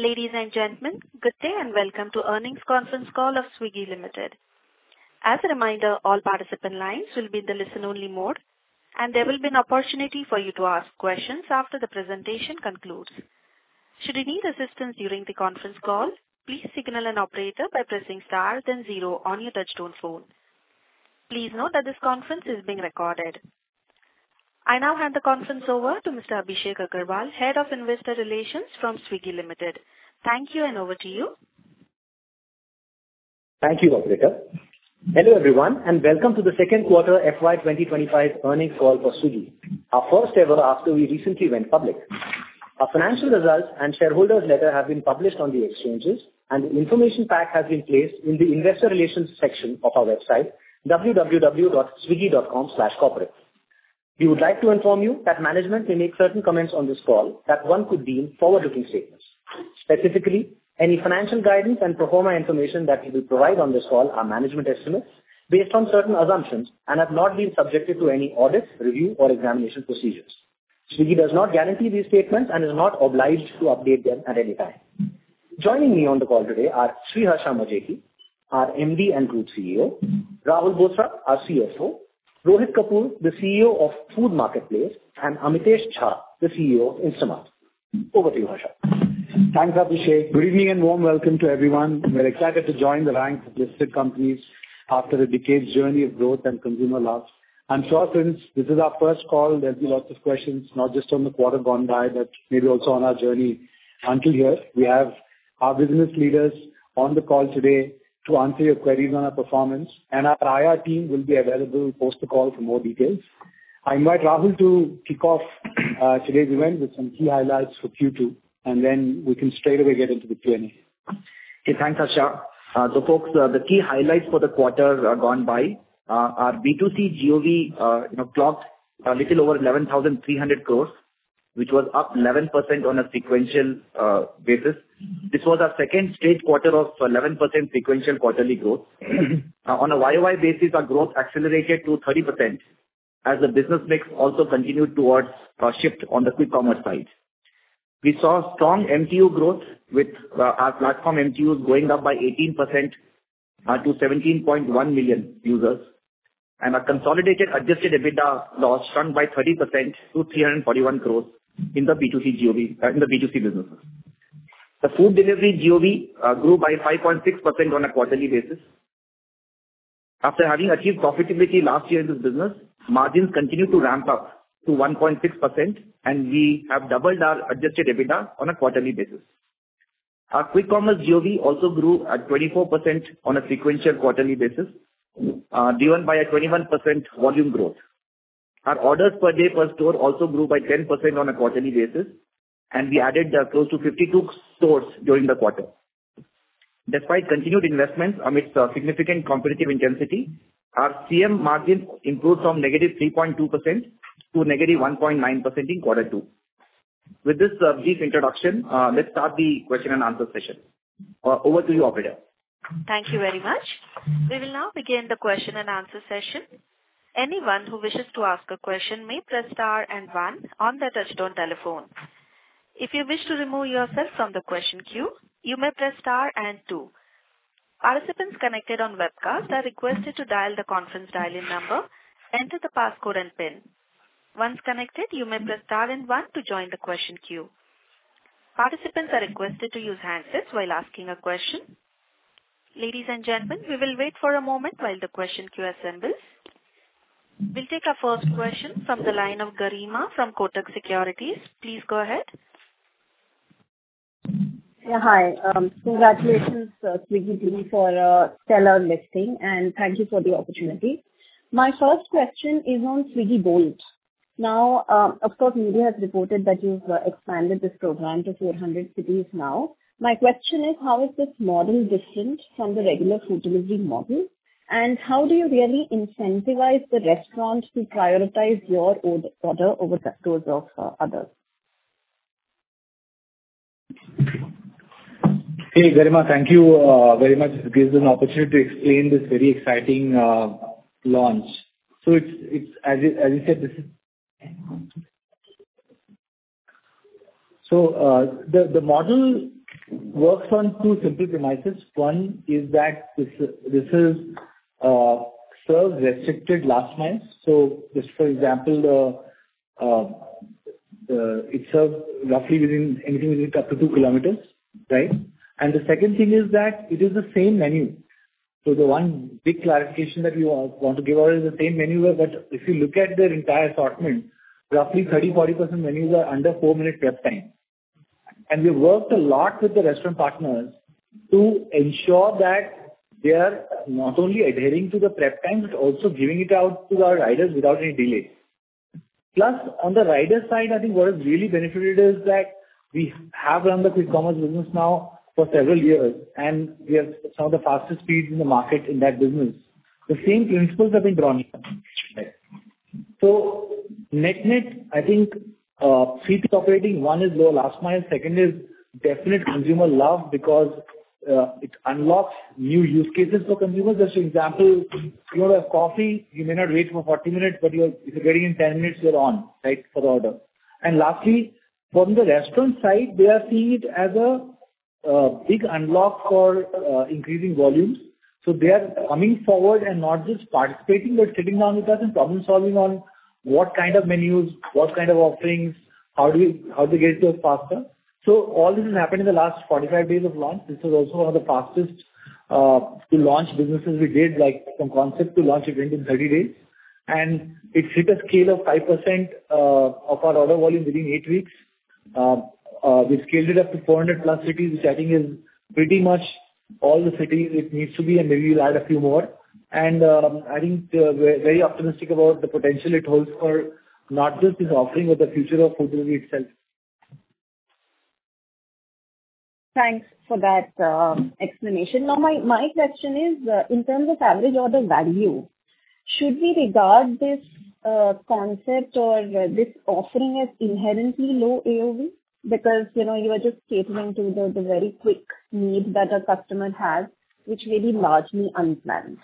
Ladies and gentlemen, good day and welcome to the Earnings Conference Call of Swiggy Limited. As a reminder, all participant lines will be in the listen-only mode, and there will be an opportunity for you to ask questions after the presentation concludes. Should you need assistance during the conference call, please signal an operator by pressing star, then zero on your touch-tone phone. Please note that this conference is being recorded. I now hand the conference over to Mr. Abhishek Agarwal, Head of Investor Relations from Swiggy Limited. Thank you, and over to you. Thank you, Operator. Hello everyone, and welcome to the second quarter FY 2025 earnings call for Swiggy, our first ever after we recently went public. Our financial results and shareholders' letter have been published on the exchanges, and the information pack has been placed in the Investor Relations section of our website, www.swiggy.com/corporate. We would like to inform you that management may make certain comments on this call that one could deem forward-looking statements. Specifically, any financial guidance and pro forma information that we will provide on this call are management estimates based on certain assumptions and have not been subjected to any audit, review, or examination procedures. Swiggy does not guarantee these statements and is not obliged to update them at any time. Joining me on the call today are Sriharsha Majety, our MD and Group CEO. Rahul Bothra, our CFO. Rohit Kapoor, the CEO of Food Marketplace. And Amitesh Jha, the CEO of Instamart. Over to you, Harsha. Thanks, Abhishek. Good evening and warm welcome to everyone. We're excited to join the ranks of listed companies after a decade's journey of growth and consumer love. I'm sure since this is our first call, there'll be lots of questions, not just on the quarter gone by, but maybe also on our journey until here. We have our business leaders on the call today to answer your queries on our performance, and our IR team will be available post the call for more details. I invite Rahul to kick off today's event with some key highlights for Q2, and then we can straight away get into the Q&A. Okay, thanks, Harsha. The key highlights for the quarter gone by are B2C GOV clocked a little over 11,300 crores, which was up 11% on a sequential basis. This was our second straight quarter of 11% sequential quarterly growth. On a YOY basis, our growth accelerated to 30% as the business mix also continued towards a shift on the quick commerce side. We saw strong MTU growth with our platform MTUs going up by 18% to 17.1 million users, and our consolidated adjusted EBITDA loss shrunk by 30% to 341 crores in the B2C businesses. The food delivery GOV grew by 5.6% on a quarterly basis. After having achieved profitability last year in this business, margins continued to ramp up to 1.6%, and we have doubled our adjusted EBITDA on a quarterly basis. Our quick commerce GOV also grew at 24% on a sequential quarterly basis, driven by a 21% volume growth. Our orders per day per store also grew by 10% on a quarterly basis, and we added close to 52 stores during the quarter. Despite continued investments amidst significant competitive intensity, our CM margin improved from negative 3.2% to negative 1.9% in quarter two. With this brief introduction, let's start the question and answer session. Over to you, Operator. Thank you very much. We will now begin the question and answer session. Anyone who wishes to ask a question may press star and one on the touch-tone telephone. If you wish to remove yourself from the question queue, you may press star and two. Participants connected on webcast are requested to dial the conference dial-in number, enter the passcode, and PIN. Once connected, you may press star and one to join the question queue. Participants are requested to use handsets while asking a question. Ladies and gentlemen, we will wait for a moment while the question queue assembles. We'll take our first question from the line of Garima from Kotak Securities. Please go ahead. Yeah, hi. Congratulations, Swiggy team, for a stellar listing, and thank you for the opportunity. My first question is on Swiggy Bolt. Now, of course, media has reported that you've expanded this program to 400 cities now. My question is, how is this model different from the regular food delivery model? And how do you really incentivize the restaurant to prioritize your order over those of others? Hey, Garima, thank you very much. This gives us an opportunity to explain this very exciting launch. So it's, as you said, this is—so the model works on two simple premises. One is that this is a service-restricted last mile. So just for example, it serves roughly within anything within up to two kilometers, right? And the second thing is that it is the same menu. So the one big clarification that we want to give out is the same menu where, but if you look at the entire assortment, roughly 30%-40% menus are under four-minute prep time. And we've worked a lot with the restaurant partners to ensure that they are not only adhering to the prep time, but also giving it out to our riders without any delay. Plus, on the rider side, I think what has really benefited is that we have run the quick commerce business now for several years, and we have some of the fastest speeds in the market in that business. The same principles have been drawn here. So net-net, I think three things are operating. One is low last mile. Second is definite consumer love because it unlocks new use cases for consumers. Just for example, if you want to have coffee, you may not wait for 40 minutes, but if you're getting it in 10 minutes, you're on, right, for the order. And lastly, from the restaurant side, they are seeing it as a big unlock for increasing volumes. So they are coming forward and not just participating, but sitting down with us and problem-solving on what kind of menus, what kind of offerings, how do we get it to us faster. So all this has happened in the last 45 days of launch. This was also one of the fastest launch businesses we did, like from concept to launch event in 30 days. And it hit a scale of 5% of our order volume within eight weeks. We scaled it up to 400-plus cities, which I think is pretty much all the cities it needs to be, and maybe we'll add a few more. And I think we're very optimistic about the potential it holds for not just this offering, but the future of food delivery itself. Thanks for that explanation. Now, my question is, in terms of average order value, should we regard this concept or this offering as inherently low AOV? Because you are just catering to the very quick needs that a customer has, which may be largely unplanned.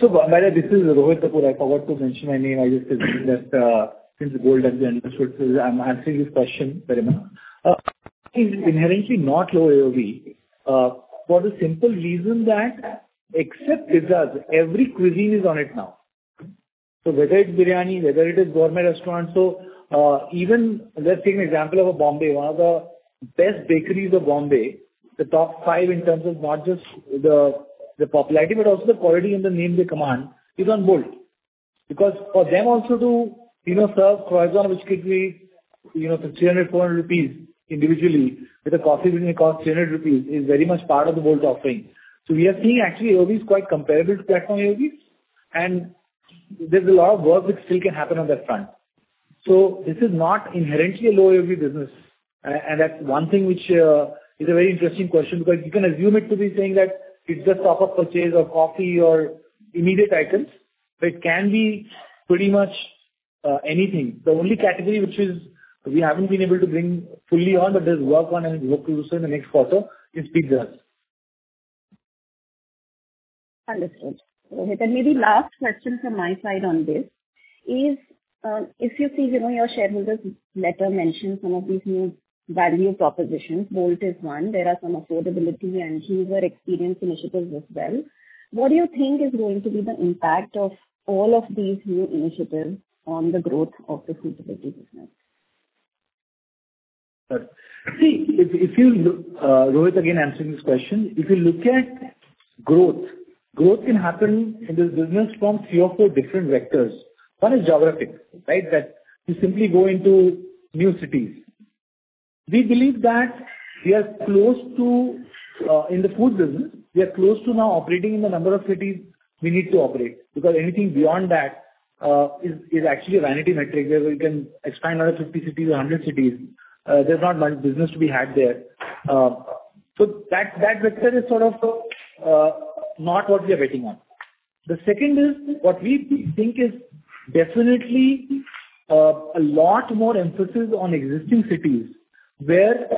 So this is Rohit Kapoor. I forgot to mention my name. I just said that since Bolt has been understood, so I'm answering this question very much. Inherently not low AOV, for the simple reason that except pizzas, every cuisine is on it now. So whether it's biryani, whether it is gourmet restaurant. So even let's take an example of Bombay, one of the best bakeries of Bombay, the top five in terms of not just the popularity, but also the quality and the name they command, is on Bolt. Because for them also to serve croissants, which could be 300-400 rupees individually, with a coffee within a cost of 300 rupees, is very much part of the Bolt offering. So we are seeing actually AOV is quite comparable to platform AOV, and there's a lot of work which still can happen on that front. This is not inherently a low AOV business. That's one thing which is a very interesting question because you can assume it to be saying that it's just top-up purchase or coffee or immediate items, but it can be pretty much anything. The only category which we haven't been able to bring fully on, but there's work on and work to do so in the next quarter, is pizzas. Understood. Rohit, and maybe last question from my side on this is, if you see your shareholders' letter mentions some of these new value propositions, Bolt is one, there are some affordability and user experience initiatives as well. What do you think is going to be the impact of all of these new initiatives on the growth of the food delivery business? See, if you look, Rohit, again answering this question, if you look at growth, growth can happen in this business from three or four different vectors. One is geographic, right, that you simply go into new cities. We believe that we are close to, in the food business, we are close to now operating in the number of cities we need to operate. Because anything beyond that is actually a vanity metric where we can expand out of 50 cities or 100 cities. There's not much business to be had there. So that vector is sort of not what we are waiting on. The second is what we think is definitely a lot more emphasis on existing cities where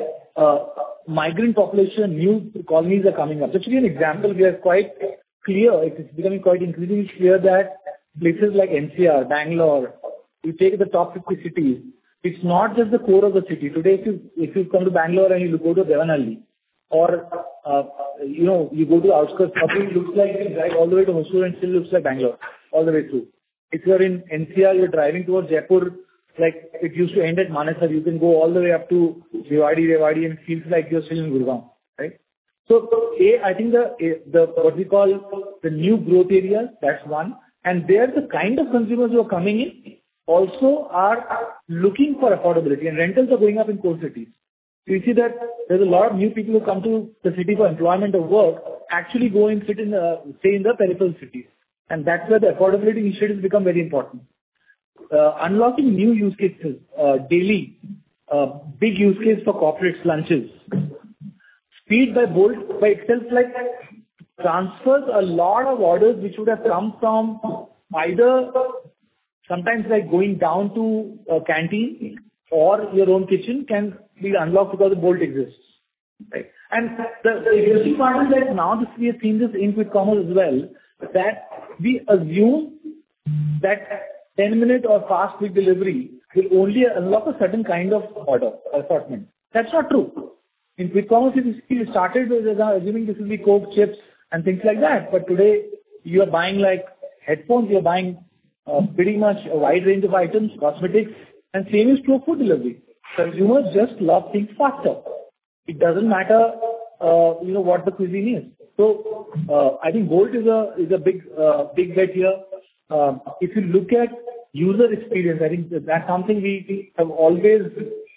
migrant population, new colonies are coming up. Just to give you an example, we are quite clear. It's becoming quite increasingly clear that places like NCR, Bangalore, you take the top 50 cities, it's not just the core of the city. Today, if you come to Bangalore and you look over Devanahalli, or you go to outskirts, probably it looks like you drive all the way to Hosur and still looks like Bangalore all the way through. If you're in NCR, you're driving towards Jaipur, like it used to end at Manesar, you can go all the way up to Bhiwadi, and it feels like you're still in Gurgaon, right? So A, I think what we call the new growth areas, that's one. And there, the kind of consumers who are coming in also are looking for affordability, and rentals are going up in core cities. So you see that there's a lot of new people who come to the city for employment or work, actually go and stay in the peripheral cities. And that's where the affordability initiatives become very important. Unlocking new use cases daily, big use case for corporate lunches. Speed by Bolt by itself transfers a lot of orders which would have come from either sometimes going down to a canteen or your own kitchen can be unlocked because the Bolt exists, right? And the interesting part is that now this we have seen this in quick commerce as well, that we assume that 10-minute or fast food delivery will only unlock a certain kind of order assortment. That's not true. In quick commerce, we started with assuming this would be Coke, chips, and things like that. But today, you are buying headphones, you are buying pretty much a wide range of items, cosmetics, and same is true of food delivery. Consumers just love things faster. It doesn't matter what the cuisine is. So I think Bolt is a big bet here. If you look at user experience, I think that's something we have always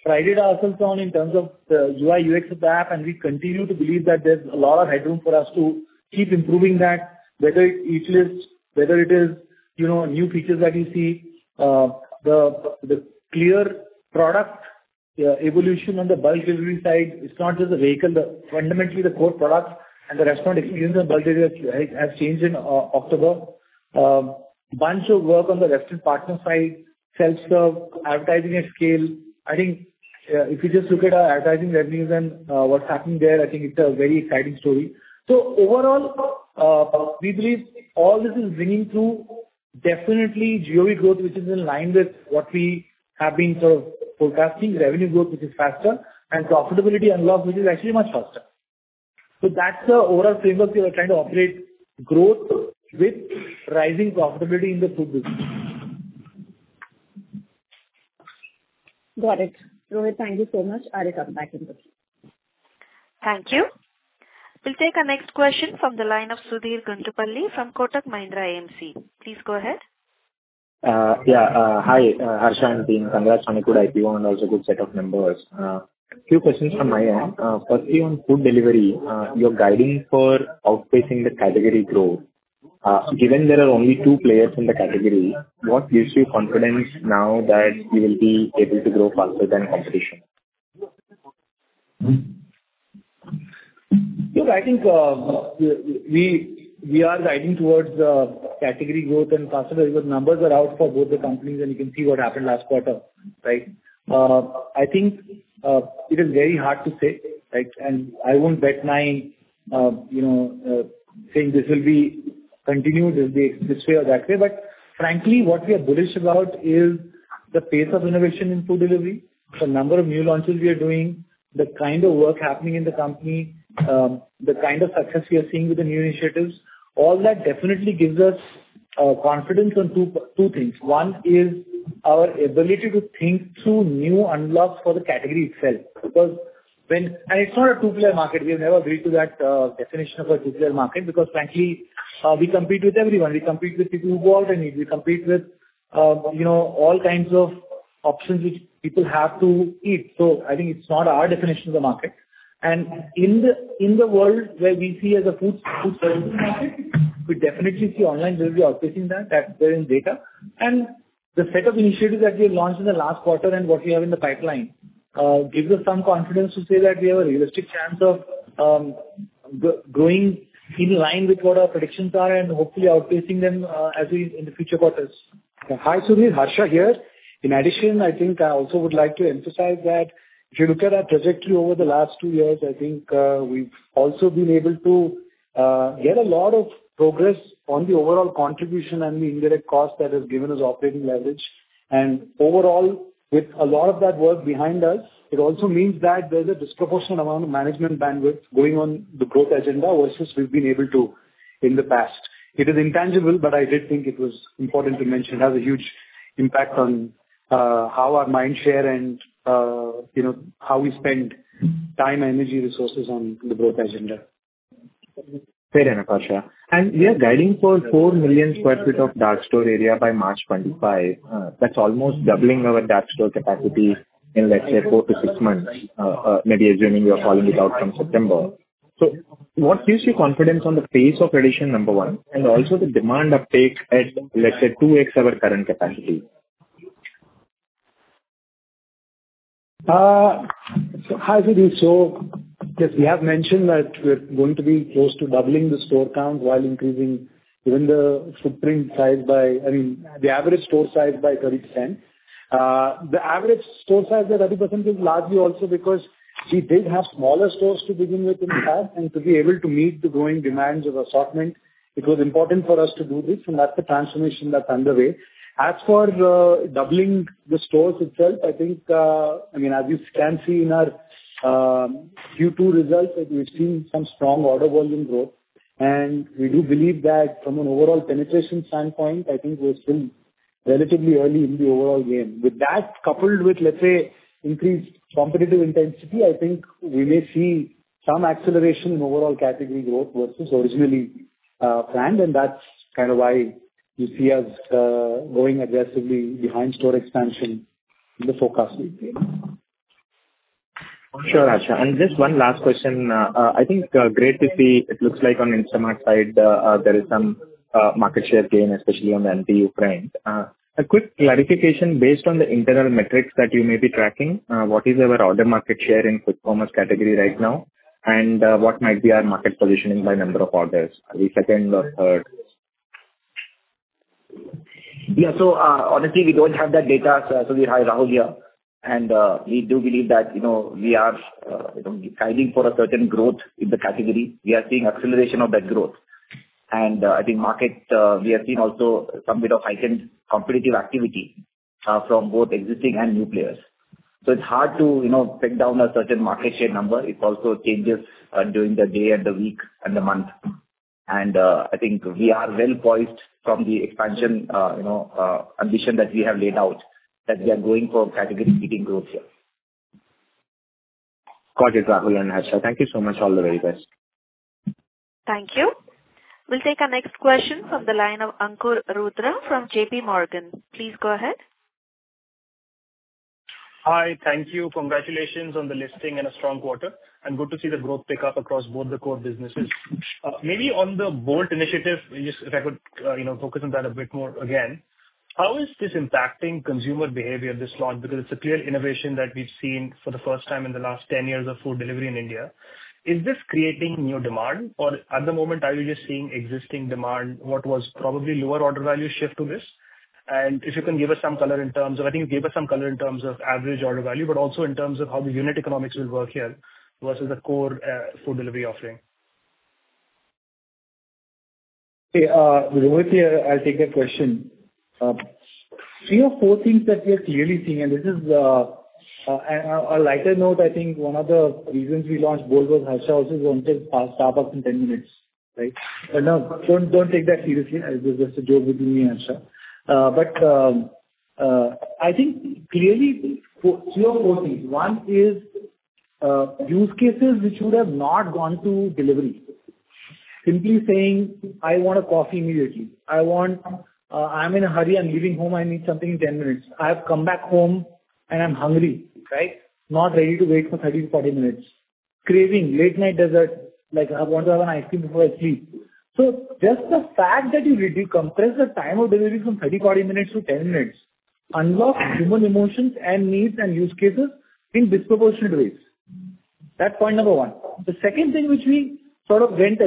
prided ourselves on in terms of the UI, UX of the app, and we continue to believe that there's a lot of headroom for us to keep improving that, whether it's use cases, whether it is new features that you see. The clear product evolution on the Bolt delivery side, it's not just the vehicle, fundamentally the core product and the restaurant experience and Bolt delivery has changed in October. Bunch of work on the restaurant partner side, self-serve, advertising at scale. I think if you just look at our advertising revenues and what's happening there, I think it's a very exciting story. So overall, we believe all this is bringing through definitely GOV growth, which is in line with what we have been sort of forecasting, revenue growth, which is faster, and profitability unlocked, which is actually much faster. So that's the overall framework we are trying to operate growth with rising profitability in the food business. Got it. Rohit, thank you so much. I'll come back in a bit. Thank you. We'll take our next question from the line of Sudheer Guntupalli from Kotak Mahindra AMC. Please go ahead. Yeah, hi, Harsha. I'm doing congrats on a good IPO and also a good set of numbers. A few questions from my end. Firstly, on food delivery, you're guiding for outpacing the category growth. Given there are only two players in the category, what gives you confidence now that you will be able to grow faster than competition? Look, I think we are guiding towards category growth and faster because numbers are out for both the companies, and you can see what happened last quarter, right? I think it is very hard to say, right? And I won't bet. I'm saying this will be continued this way or that way. But frankly, what we are bullish about is the pace of innovation in food delivery, the number of new launches we are doing, the kind of work happening in the company, the kind of success we are seeing with the new initiatives. All that definitely gives us confidence on two things. One is our ability to think through new unlocks for the category itself. And it's not a two-player market. We have never agreed to that definition of a two-player market because frankly, we compete with everyone. We compete with people who buy and eat. We compete with all kinds of options which people have to eat. So I think it's not our definition of the market. And in the world where we see as a food services market, we definitely see online delivery outpacing that. That's there in data. And the set of initiatives that we have launched in the last quarter and what we have in the pipeline gives us some confidence to say that we have a realistic chance of growing in line with what our predictions are and hopefully outpacing them as we in the future quarters. Hi, Swiggy Sriharsha here. In addition, I think I also would like to emphasize that if you look at our trajectory over the last two years, I think we've also been able to get a lot of progress on the overall contribution and the indirect cost that has given us operating leverage. And overall, with a lot of that work behind us, it also means that there's a disproportionate amount of management bandwidth going on the growth agenda versus we've been able to in the past. It is intangible, but I did think it was important to mention it has a huge impact on how our mind share and how we spend time and energy resources on the growth agenda. Fair enough, Harsha. And we are guiding for four million sq ft of dark store area by March 25. That's almost doubling our dark store capacity in, let's say, four to six months, maybe assuming we are rolling it out from September. So what gives you confidence on the pace of addition, number one, and also the demand uptake at, let's say, 2x our current capacity? Hi, Swiggy. So yes, we have mentioned that we're going to be close to doubling the store count while increasing even the footprint size by, I mean, the average store size by 30%. The average store size by 30% is largely also because we did have smaller stores to begin with in the past, and to be able to meet the growing demands of assortment, it was important for us to do this, and that's the transformation that's underway. As for doubling the stores itself, I think, I mean, as you can see in our Q2 results, we've seen some strong order volume growth, and we do believe that from an overall penetration standpoint, I think we're still relatively early in the overall game. With that coupled with, let's say, increased competitive intensity, I think we may see some acceleration in overall category growth versus originally planned, and that's kind of why you see us going aggressively behind store expansion in the forecast weekly. Sure, Harsha. And just one last question. I think great to see it looks like on Instamart side, there is some market share gain, especially on the MTU front. A quick clarification based on the internal metrics that you may be tracking, what is our order market share in quick commerce category right now, and what might be our market positioning by number of orders? Are we second or third? Yeah, so honestly, we don't have that data, so, with Rohit here. And we do believe that we are guiding for a certain growth in the category. We are seeing acceleration of that growth. And I think, in the market, we have seen also some bit of heightened competitive activity from both existing and new players. So it's hard to pin down a certain market share number. It also changes during the day and the week and the month. And I think we are well poised from the expansion ambition that we have laid out, that we are going for category-beating growth here. Got it, Rahul and Harsha. Thank you so much. All the very best. Thank you. We'll take our next question from the line of Ankur Rudra from J.P. Morgan. Please go ahead. Hi, thank you. Congratulations on the listing and a strong quarter. And good to see the growth pick up across both the core businesses. Maybe on the Bolt initiative, if I could focus on that a bit more again, how is this impacting consumer behavior, this launch? Because it's a clear innovation that we've seen for the first time in the last 10 years of food delivery in India. Is this creating new demand, or at the moment, are you just seeing existing demand? What was probably lower order value shift to this? And if you can give us some color in terms of, I think you gave us some color in terms of average order value, but also in terms of how the unit economics will work here versus the core food delivery offering. Okay, Rohit here. I'll take that question. Three or four things that we are clearly seeing, and this is a lighter note. I think one of the reasons we launched Bolt was Harsha also wanted to pass Starbucks in 10 minutes, right? But no, don't take that seriously. This is just a joke between me and Harsha. But I think clearly three or four things. One is use cases which would have not gone to delivery. Simply saying, "I want a coffee immediately. I'm in a hurry. I'm leaving home. I need something in 10 minutes. I have come back home and I'm hungry," right? Not ready to wait for 30-40 minutes. Craving, late-night dessert. I want to have an ice cream before I sleep. So just the fact that you compress the time of delivery from 30, 40 minutes to 10 minutes unlocks human emotions and needs and use cases in disproportionate ways. That's point number one. The second thing which we sort of went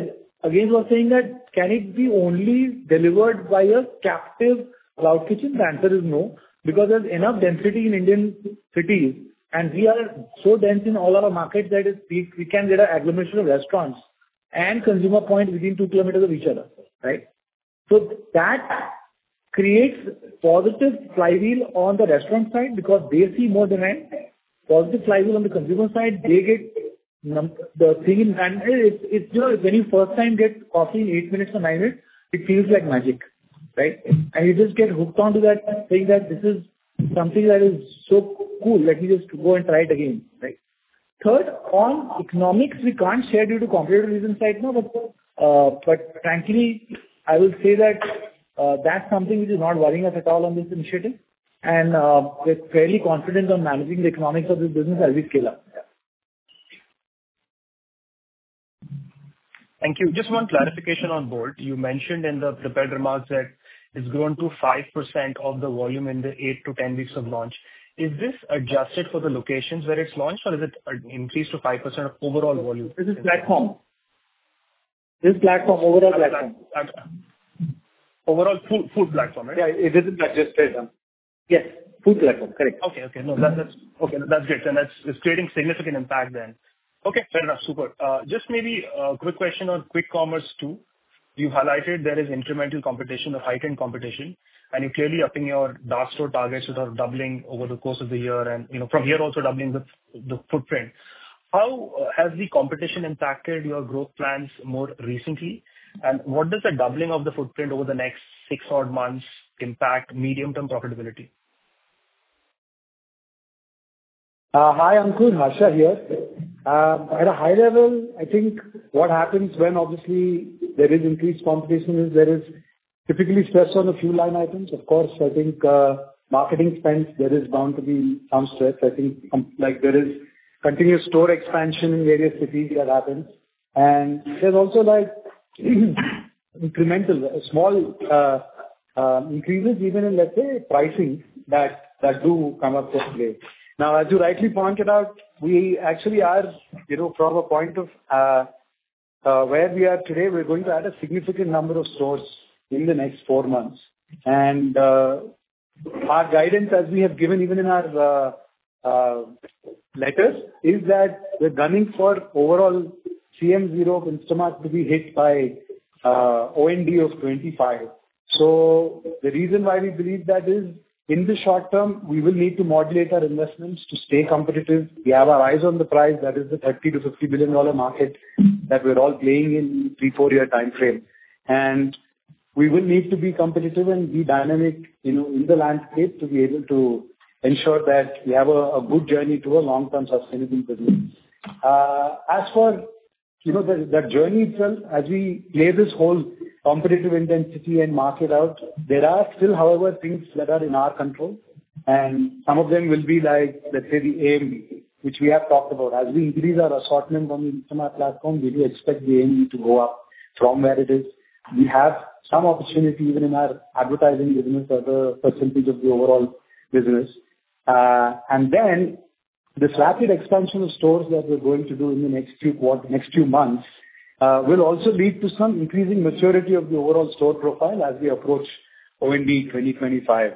against was saying that, "Can it be only delivered by a captive cloud kitchen?" The answer is no, because there's enough density in Indian cities, and we are so dense in all our markets that we can get an agglomeration of restaurants and consumer points within two kilometers of each other, right? So that creates positive flywheel on the restaurant side because they see more demand. Positive flywheel on the consumer side. The thing in that is, when you first time get coffee in eight minutes or nine minutes, it feels like magic, right? You just get hooked onto that, saying that this is something that is so cool. Let me just go and try it again, right? Third, on economics, we can't share due to competitor reasons right now, but frankly, I will say that that's something which is not worrying us at all on this initiative. We're fairly confident on managing the economics of this business as we scale up. Thank you. Just one clarification on Bolt. You mentioned in the prepared remarks that it's grown to 5% of the volume in the 8-10 weeks of launch. Is this adjusted for the locations where it's launched, or is it increased to 5% of overall volume? This is platform, overall platform. Overall food platform, right? Yeah, it is adjusted. Yes, food platform, correct. Okay, okay. No, that's good. And it's creating significant impact then. Okay, fair enough. Super. Just maybe a quick question on quick commerce too. You've highlighted there is incremental competition or heightened competition, and you're clearly upping your dark store targets that are doubling over the course of the year and from here also doubling the footprint. How has the competition impacted your growth plans more recently, and what does the doubling of the footprint over the next six odd months impact medium-term profitability? Hi, Ankur, Harsha here. At a high level, I think what happens when obviously there is increased competition is there is typically stress on the few line items. Of course, I think marketing spend, there is bound to be some stress. I think there is continuous store expansion in various cities that happens. And there's also incremental, small increases even in, let's say, pricing that do come up to a place. Now, as you rightly pointed out, we actually are from a point of where we are today, we're going to add a significant number of stores in the next four months. And our guidance, as we have given even in our letters, is that we're gunning for overall CM of Instamart to be hit by end of 25. The reason why we believe that is in the short term, we will need to modulate our investments to stay competitive. We have our eyes on the prize. That is the INR 30-50 billion market that we're all playing in three- to four-year timeframe. We will need to be competitive and be dynamic in the landscape to be able to ensure that we have a good journey to a long-term sustainable business. As for the journey itself, as we play this whole competitive intensity and market out, there are still, however, things that are in our control. Some of them will be like, let's say, the AOV, which we have talked about. As we increase our assortment on the Instamart platform, we do expect the AOV to go up from where it is. We have some opportunity even in our advertising business as a percentage of the overall business. And then the rapid expansion of stores that we're going to do in the next few months will also lead to some increasing maturity of the overall store profile as we approach FY 2025.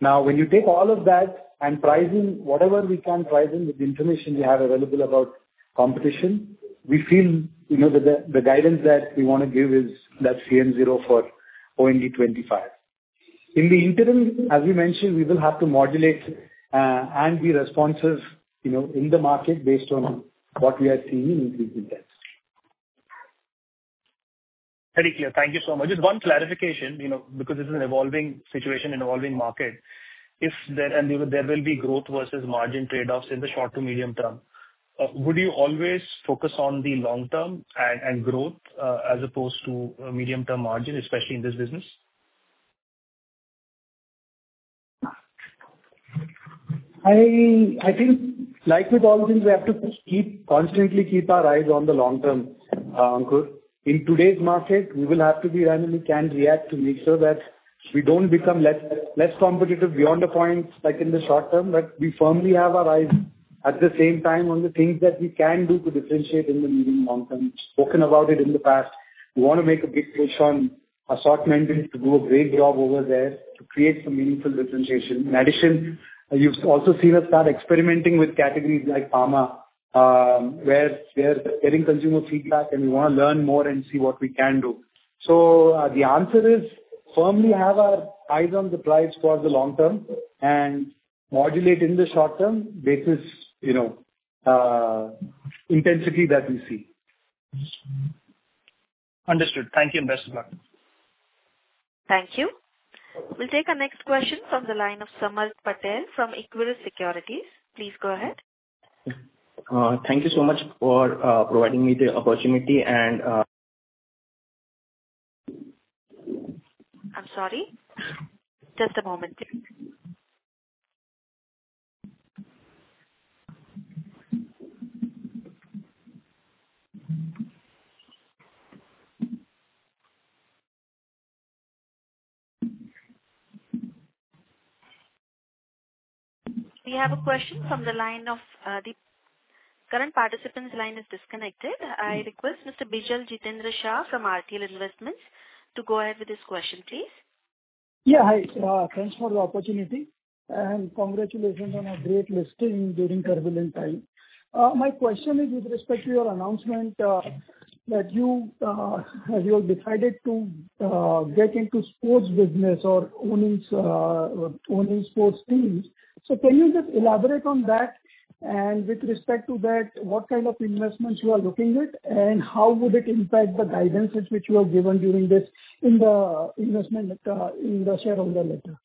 Now, when you take all of that and price in whatever we can price in with the information we have available about competition, we feel that the guidance that we want to give is that CM 0 for FY25. In the interim, as we mentioned, we will have to modulate and be responsive in the market based on what we are seeing in increasing terms. Very clear. Thank you so much. Just one clarification, because this is an evolving situation, an evolving market, and there will be growth versus margin trade-offs in the short to medium term. Would you always focus on the long-term and growth as opposed to medium-term margin, especially in this business? I think, like with all things, we have to constantly keep our eyes on the long term, Ankur. In today's market, we will have to be ready to react to make sure that we don't become less competitive beyond the point in the short term that we firmly have our eyes at the same time on the things that we can do to differentiate in the medium and long term. We've spoken about it in the past. We want to make a big push on assortment to do a great job over there to create some meaningful differentiation. In addition, you've also seen us start experimenting with categories like pharma, where we're getting consumer feedback, and we want to learn more and see what we can do. The answer is firmly have our eyes on the prize for the long term and modulate in the short term based on the intensity that we see. Understood. Thank you and best of luck. Thank you. We'll take our next question from the line of Samarth Patel from Equirus Securities. Please go ahead. Thank you so much for providing me the opportunity and. I'm sorry. Just a moment, please. We have a question from the line of the current participant. His line is disconnected. I request Mr. Bijal Jitendra Shah from RTL Investments to go ahead with his question, please. Yeah, hi. Thanks for the opportunity. Congratulations on a great listing during turbulent times. My question is with respect to your announcement that you have decided to get into sports business or owning sports teams. Can you just elaborate on that? With respect to that, what kind of investments you are looking at, and how would it impact the guidance which you have given during this investment in the shareholder letter?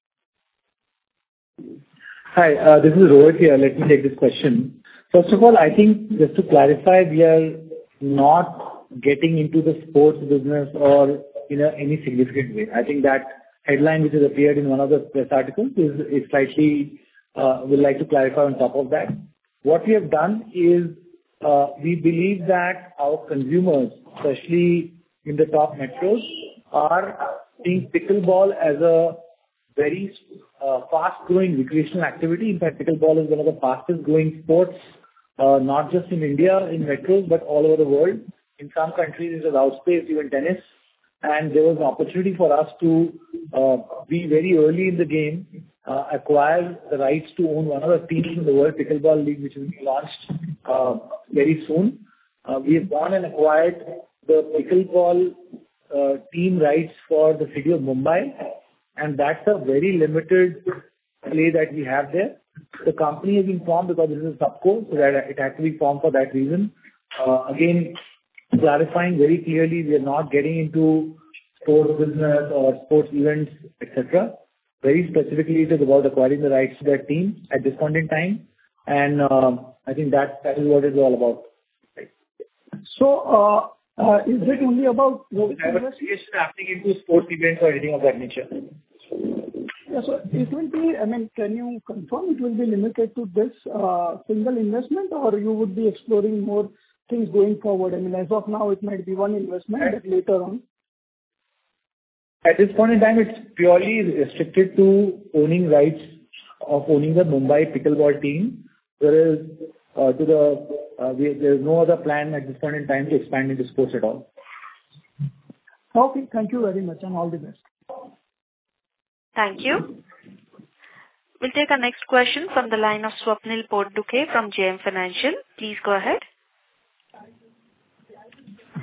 Hi, this is Rohit here. Let me take this question. First of all, I think just to clarify, we are not getting into the sports business or in any significant way. I think that headline which has appeared in one of the press articles is slightly misleading. We'd like to clarify on top of that. What we have done is we believe that our consumers, especially in the top metros, are seeing pickleball as a very fast-growing recreational activity. In fact, pickleball is one of the fastest-growing sports, not just in India, in metros, but all over the world. In some countries, it outpaces even tennis. And there was an opportunity for us to be very early in the game, acquire the rights to own one of the teams in the World Pickleball League, which will be launched very soon. We have gone and acquired the pickleball team rights for the city of Mumbai. And that's a very limited play that we have there. The company has been formed because it is a subco, so it had to be formed for that reason. Again, clarifying very clearly, we are not getting into sports business or sports events, etc. Very specifically, it is about acquiring the rights to that team at this point in time. And I think that is what it's all about. So, is it only about? No, it's never associated with sports events or anything of that nature. Yeah, so it will be. I mean, can you confirm it will be limited to this single investment, or you would be exploring more things going forward? I mean, as of now, it might be one investment, but later on. At this point in time, it's purely restricted to owning rights to the Mumbai Pickleball team. There is no other plan at this point in time to expand into sports at all. Okay, thank you very much and all the best. Thank you. We'll take our next question from the line of Swapnil Potdukhe from JM Financial. Please go ahead.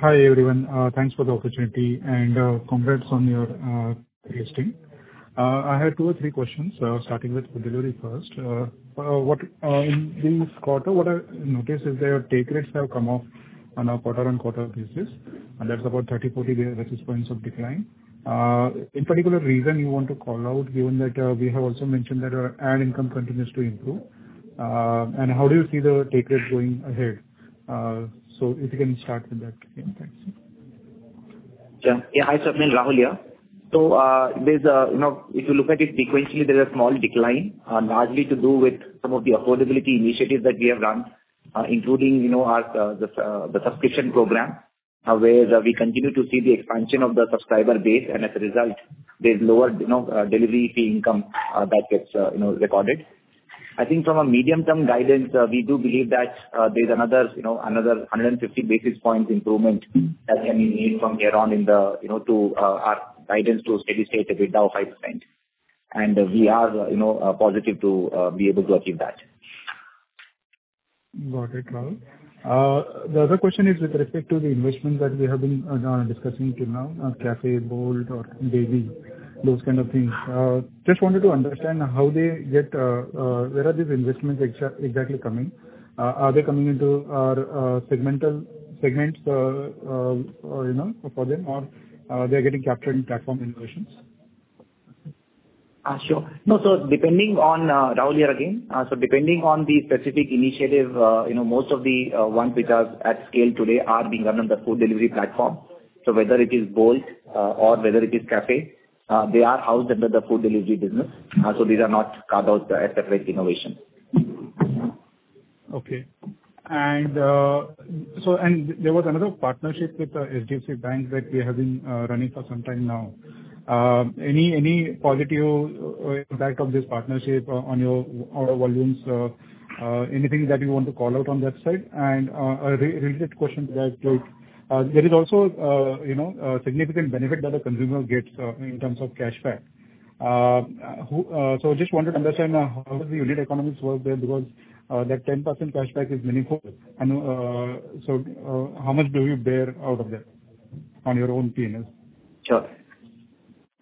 Hi everyone. Thanks for the opportunity and congrats on your listing. I had two or three questions, starting with the delivery first. In this quarter, what I noticed is that take rates have come off on a quarter-on-quarter basis, and that's about 30-40 basis points of decline. Any particular reason you want to call out, given that we have also mentioned that our ad income continues to improve. How do you see the take rate going ahead? If you can start with that. Thanks. Yeah, hi. So I'm Rahul here. So if you look at it sequentially, there is a small decline, largely to do with some of the affordability initiatives that we have done, including the subscription program, where we continue to see the expansion of the subscriber base. And as a result, there's lower delivery fee income that gets recorded. I think from a medium-term guidance, we do believe that there's another 150 basis points improvement that can be made from here on to our guidance to steady state a bit now of 5%. And we are positive to be able to achieve that. Got it, Rahul. The other question is with respect to the investments that we have been discussing till now, Cafe, Bolt, or JV, those kind of things. Just wanted to understand how they get, where are these investments exactly coming? Are they coming into our segments for them, or are they getting captured in platform innovations? Sure. No, so depending on Rahul here again, so depending on the specific initiative, most of the ones which are at scale today are being done on the food delivery platform. So whether it is Bolt or whether it is Cafe, they are housed under the food delivery business. So these are not carved out as separate innovations. Okay. And there was another partnership with HDFC Bank that we have been running for some time now. Any positive impact of this partnership on your volumes? Anything that you want to call out on that side? And a related question to that, there is also a significant benefit that a consumer gets in terms of cashback. So I just wanted to understand how does the unit economics work there because that 10% cashback is meaningful. And so how much do you bear out of that on your own P&L? Sure.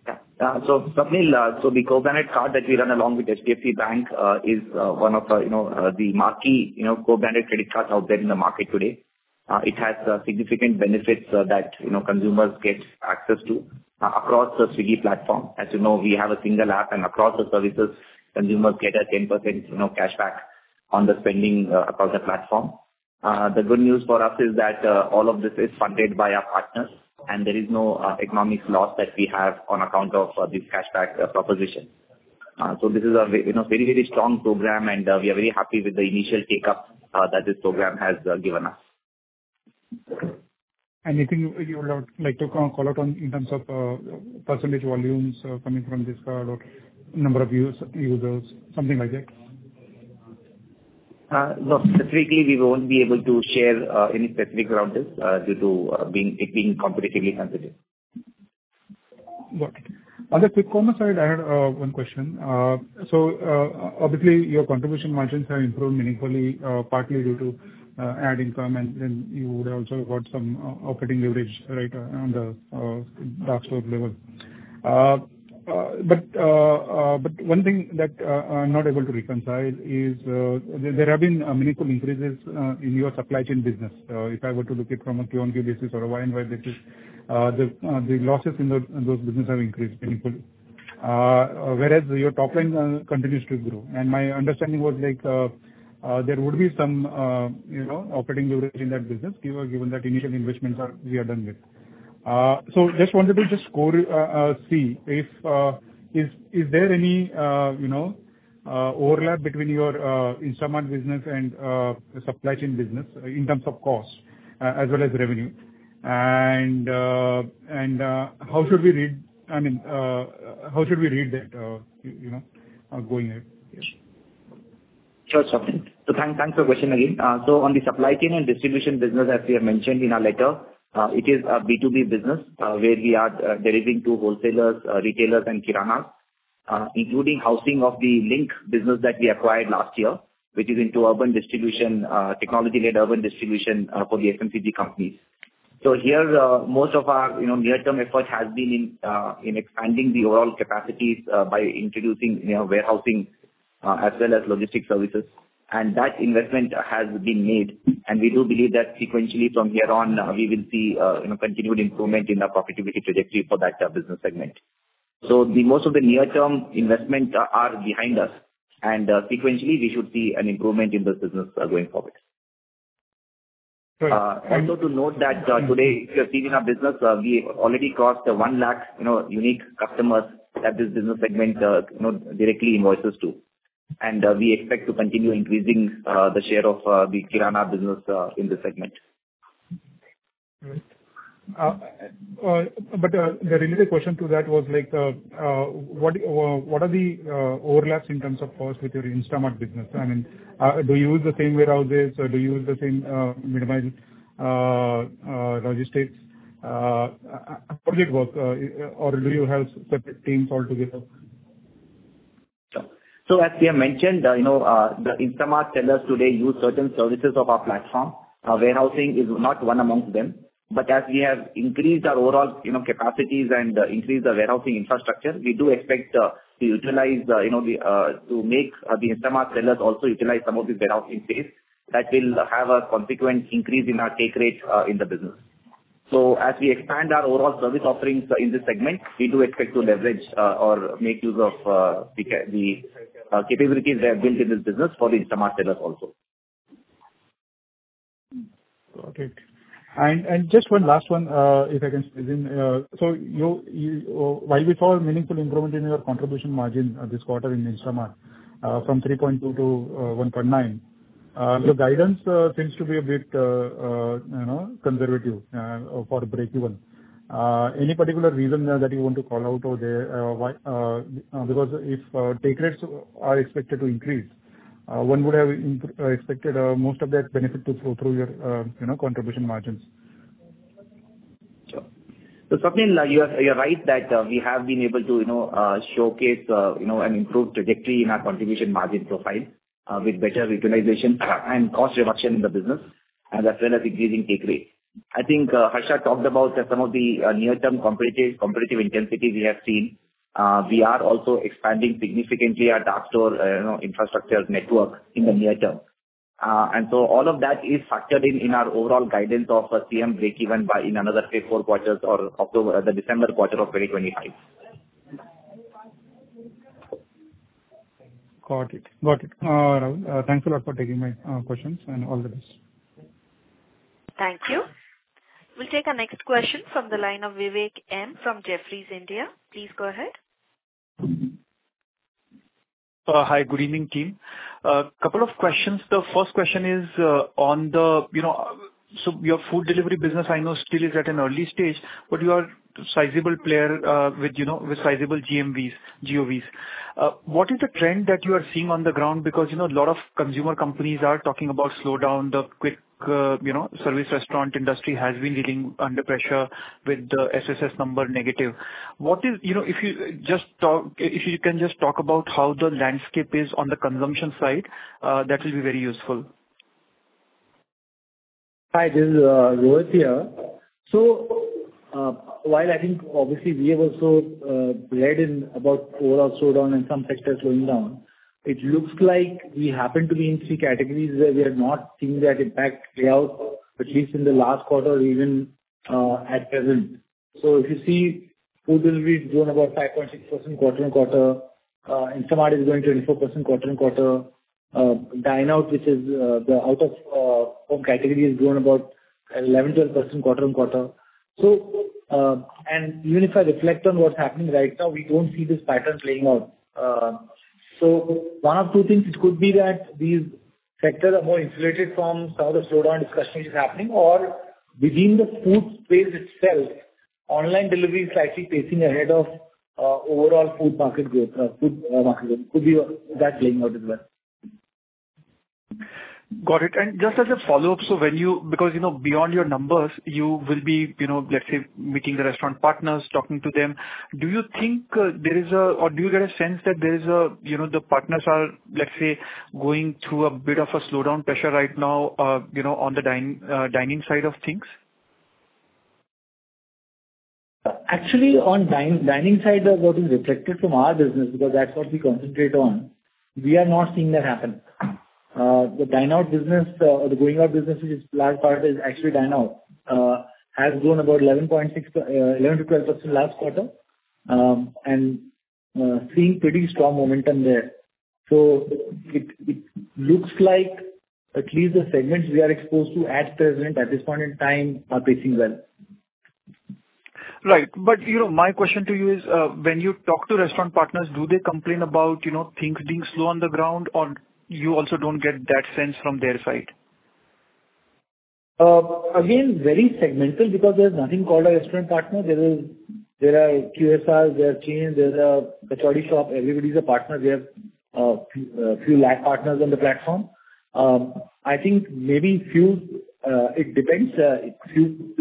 Yeah. So Swapnil, so the co-branded card that we run along with HDFC Bank is one of the marquee co-branded credit cards out there in the market today. It has significant benefits that consumers get access to across the Swiggy platform. As you know, we have a single app, and across the services, consumers get a 10% cashback on the spending across the platform. The good news for us is that all of this is funded by our partners, and there is no economic loss that we have on account of this cashback proposition. So this is a very, very strong program, and we are very happy with the initial take-up that this program has given us. Anything you would like to call out on in terms of percentage volumes coming from this card or number of users, something like that? No, specifically, we won't be able to share any specific guidance due to it being competitively sensitive. Got it. On the quick commerce side, I had one question. So obviously, your contribution margins have improved meaningfully, partly due to ad income, and then you would also have got some operating leverage, right, on the dark store level. But one thing that I'm not able to reconcile is there have been meaningful increases in your supply chain business. If I were to look at from a Q&Q basis or a Y&Y basis, the losses in those businesses have increased meaningfully, whereas your top line continues to grow. And my understanding was there would be some operating leverage in that business, given that initial investments we are done with. So just wanted to see if is there any overlap between your Instamart business and the supply chain business in terms of cost as well as revenue? How should we read? I mean, how should we read that going ahead? Sure, Swapnil. So thanks for the question again. So on the supply chain and distribution business, as we have mentioned in our letter, it is a B2B business where we are delivering to wholesalers, retailers, and kiranas, including the Lynk business that we acquired last year, which is into urban distribution, technology-led urban distribution for the FMCG companies. So here, most of our near-term effort has been in expanding the overall capacities by introducing warehousing as well as logistics services. And that investment has been made. And we do believe that sequentially from here on, we will see continued improvement in the profitability trajectory for that business segment. So most of the near-term investments are behind us. And sequentially, we should see an improvement in this business going forward. Great. Also, to note that today, if you're seeing our business, we already crossed the 1 lakh unique customers that this business segment directly invoices to, and we expect to continue increasing the share of the kirana business in this segment. Great. But the related question to that was what are the overlaps in terms of cost with your Instamart business? I mean, do you use the same warehouses, or do you use the same minimized logistics? How does it work? Or do you have separate teams altogether? So as we have mentioned, the Instamart sellers today use certain services of our platform. Our warehousing is not one amongst them. But as we have increased our overall capacities and increased the warehousing infrastructure, we do expect to utilize to make the Instamart sellers also utilize some of these warehousing space that will have a consequent increase in our take rate in the business. So as we expand our overall service offerings in this segment, we do expect to leverage or make use of the capabilities that are built in this business for the Instamart sellers also. Got it. And just one last one, if I can squeeze in. So while we saw a meaningful improvement in your contribution margin this quarter in Instamart from 3.2 to 1.9, the guidance seems to be a bit conservative for break-even. Any particular reason that you want to call out or there? Because if take rates are expected to increase, one would have expected most of that benefit to flow through your contribution margins. Sure. So Swapnil, you are right that we have been able to showcase an improved trajectory in our contribution margin profile with better utilization and cost reduction in the business, as well as increasing take rate. I think Harsha talked about some of the near-term competitive intensity we have seen. We are also expanding significantly our dark store infrastructure network in the near term. And so all of that is factored in our overall guidance of CM break-even in another three or four quarters or the December quarter of 2025. Got it. Got it. Rahul, thanks a lot for taking my questions and all the rest. Thank you. We'll take our next question from the line of Vivek M from Jefferies, India. Please go ahead. Hi, good evening, team. A couple of questions. The first question is on the, so your food delivery business, I know, still is at an early stage, but you are a sizable player with sizable GMVs, GOVs. What is the trend that you are seeing on the ground? Because a lot of consumer companies are talking about slowdown. The quick service restaurant industry has been dealing under pressure with the SSS number negative. What if you can just talk about how the landscape is on the consumption side, that will be very useful. Hi, this is Rohit here. So while I think obviously we have also read about overall slowdown and some sectors slowing down, it looks like we happen to be in three categories where we are not seeing that impact at all, at least in the last quarter or even at present. So if you see food delivery growing about 5.6% quarter on quarter, Instamart is growing 24% quarter on quarter. Dineout, which is the out-of-home category, is growing about 11-12% quarter on quarter. And even if I reflect on what's happening right now, we don't see this pattern playing out. So one of two things could be that these sectors are more insulated from some of the slowdown discussion which is happening, or within the food space itself, online delivery is slightly pacing ahead of overall food market growth. Food market growth could be that playing out as well. Got it. And just as a follow-up, so when you go beyond your numbers, you will be, let's say, meeting the restaurant partners, talking to them. Do you think, or do you get a sense that the partners are, let's say, going through a bit of a slowdown pressure right now on the dining side of things? Actually, on dining side, what is reflected from our business, because that's what we concentrate on, we are not seeing that happen. The Dineout business, the Going Out business, which is large part is actually Dineout, has grown about 11.6%-12% last quarter and seeing pretty strong momentum there. So it looks like at least the segments we are exposed to at present, at this point in time, are pacing well. Right. But my question to you is, when you talk to restaurant partners, do they complain about things being slow on the ground, or you also don't get that sense from their side? Again, very segmental because there's nothing called a restaurant partner. There are QSRs, there are chains, there are kachori shop. Everybody's a partner. We have a few lakh partners on the platform. I think maybe few it depends. Few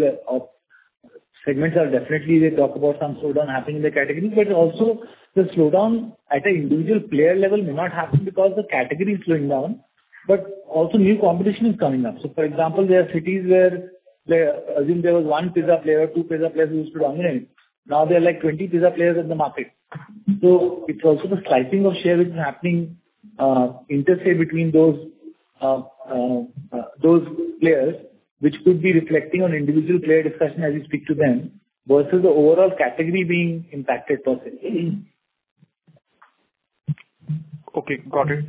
segments are definitely they talk about some slowdown happening in the category. But also, the slowdown at an individual player level may not happen because the category is slowing down, but also new competition is coming up. So for example, there are cities where I think there was one pizza player, two pizza players who used to dominate. Now there are like 20 pizza players in the market. So it's also the slicing of share which is happening in the state between those players, which could be reflecting on individual player discussion as we speak to them versus the overall category being impacted per se. Okay. Got it.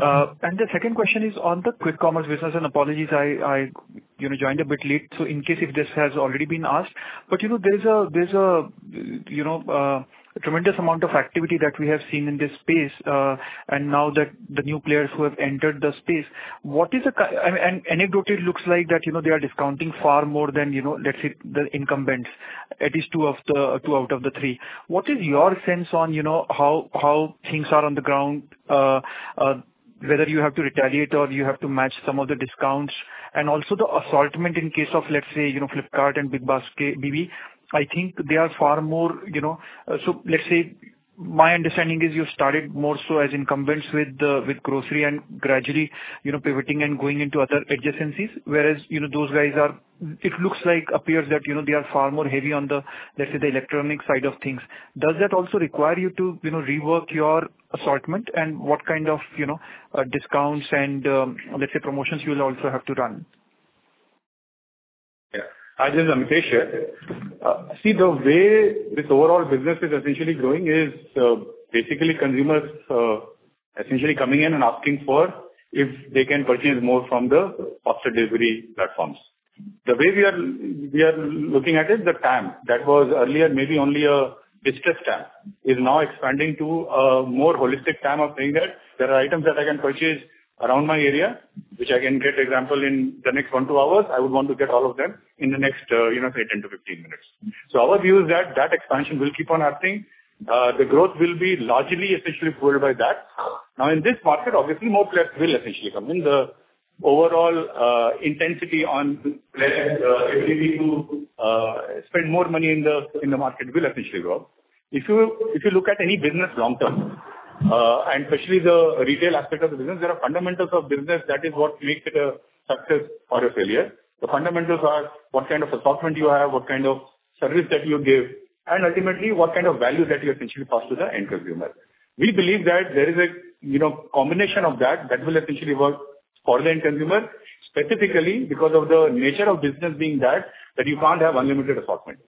And the second question is on the quick commerce business. And apologies, I joined a bit late. So in case if this has already been asked, but there's a tremendous amount of activity that we have seen in this space. And now that the new players who have entered the space, what is the, and anecdotally it looks like that they are discounting far more than, let's say, the incumbents, at least two out of the three. What is your sense on how things are on the ground, whether you have to retaliate or you have to match some of the discounts? Also, the assortment in case of, let's say, Flipkart and BigBasket, BB, I think they are far more so let's say my understanding is you started more so as incumbents with grocery and gradually pivoting and going into other adjacencies, whereas those guys are it looks like appears that they are far more heavy on the, let's say, the electronics side of things. Does that also require you to rework your assortment? And what kind of discounts and, let's say, promotions you will also have to run? Yeah. Hi, this is Amitesh. See, the way this overall business is essentially growing is basically consumers essentially coming in and asking for if they can purchase more from the faster delivery platforms. The way we are looking at it, the TAM, that was earlier maybe only a distressed TAM, is now expanding to a more holistic TAM of saying that there are items that I can purchase around my area, which I can get, for example, in the next one to two hours. I would want to get all of them in the next, say, 10 to 15 minutes. So our view is that that expansion will keep on happening. The growth will be largely essentially fueled by that. Now, in this market, obviously, more players will essentially come in. The overall intensity on players' ability to spend more money in the market will essentially grow. If you look at any business long-term, and especially the retail aspect of the business, there are fundamentals of business that is what makes it a success or a failure. The fundamentals are what kind of assortment you have, what kind of service that you give, and ultimately what kind of value that you essentially pass to the end consumer. We believe that there is a combination of that that will essentially work for the end consumer, specifically because of the nature of business being that you can't have unlimited assortment.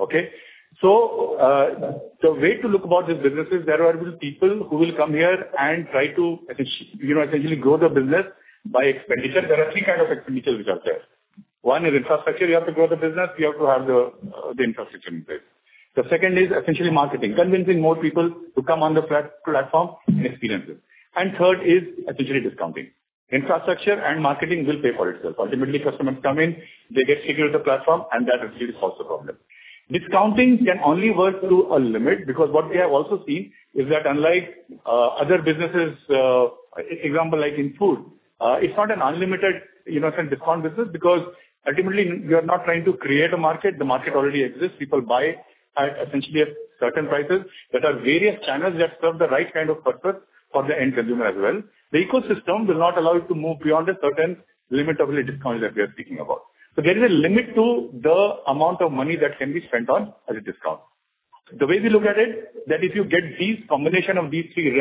Okay? So the way to look about this business is there are people who will come here and try to essentially grow the business by expenditure. There are three kinds of expenditures which are there. One is infrastructure. You have to grow the business. You have to have the infrastructure in place. The second is essentially marketing, convincing more people to come on the platform and experience it and third is essentially discounting. Infrastructure and marketing will pay for itself. Ultimately, customers come in, they get used to the platform, and that actually solves the problem. Discounting can only work to a limit because what we have also seen is that unlike other businesses, example like in food, it's not an unlimited discount business because ultimately you are not trying to create a market. The market already exists. People buy at essentially certain prices. There are various channels that serve the right kind of purpose for the end consumer as well. The ecosystem will not allow you to move beyond a certain limit of the discount that we are speaking about, so there is a limit to the amount of money that can be spent on as a discount. The way we look at it, that if you get these combination of these three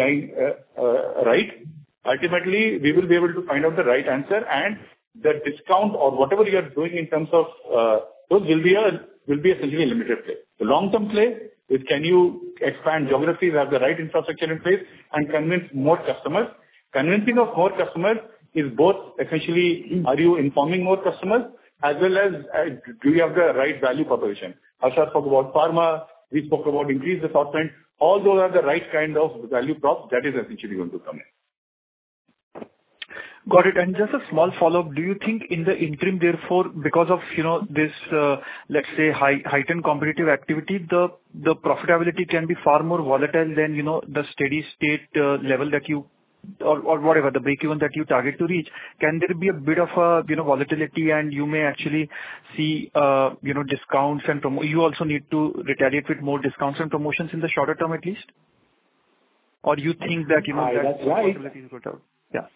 right, ultimately we will be able to find out the right answer, and the discount or whatever you are doing in terms of those will be essentially a limited play. The long-term play is can you expand geographies, have the right infrastructure in place, and convince more customers. Convincing of more customers is both essentially are you informing more customers as well as do you have the right value proposition? Harsha spoke about pharma. We spoke about increased assortment. All those are the right kind of value props that is essentially going to come in. Got it, and just a small follow-up. Do you think in the interim, therefore, because of this, let's say, heightened competitive activity, the profitability can be far more volatile than the steady state level that you or whatever, the break-even that you target to reach? Can there be a bit of volatility and you may actually see discounts and promotions? You also need to retaliate with more discounts and promotions in the shorter term at least? Or you think that. That's right. That profitability is going to help? Yeah.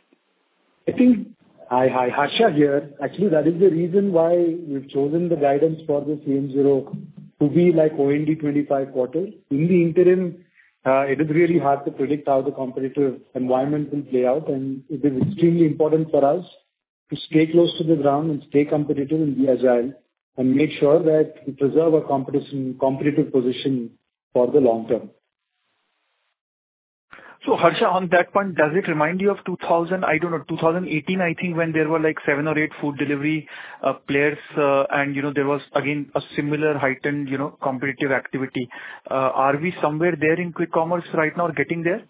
I think I'll hand over to Harsha here. Actually, that is the reason why we've chosen the guidance for the CM to be like 0 to -2.5% quarter. In the interim, it is really hard to predict how the competitive environment will play out. And it is extremely important for us to stay close to the ground and stay competitive and be agile and make sure that we preserve our competitive position for the long term. Harsha, on that point, does it remind you of 2000? I don't know. 2018, I think, when there were like seven or eight food delivery players and there was, again, a similar heightened competitive activity. Are we somewhere there in quick commerce right now or getting there?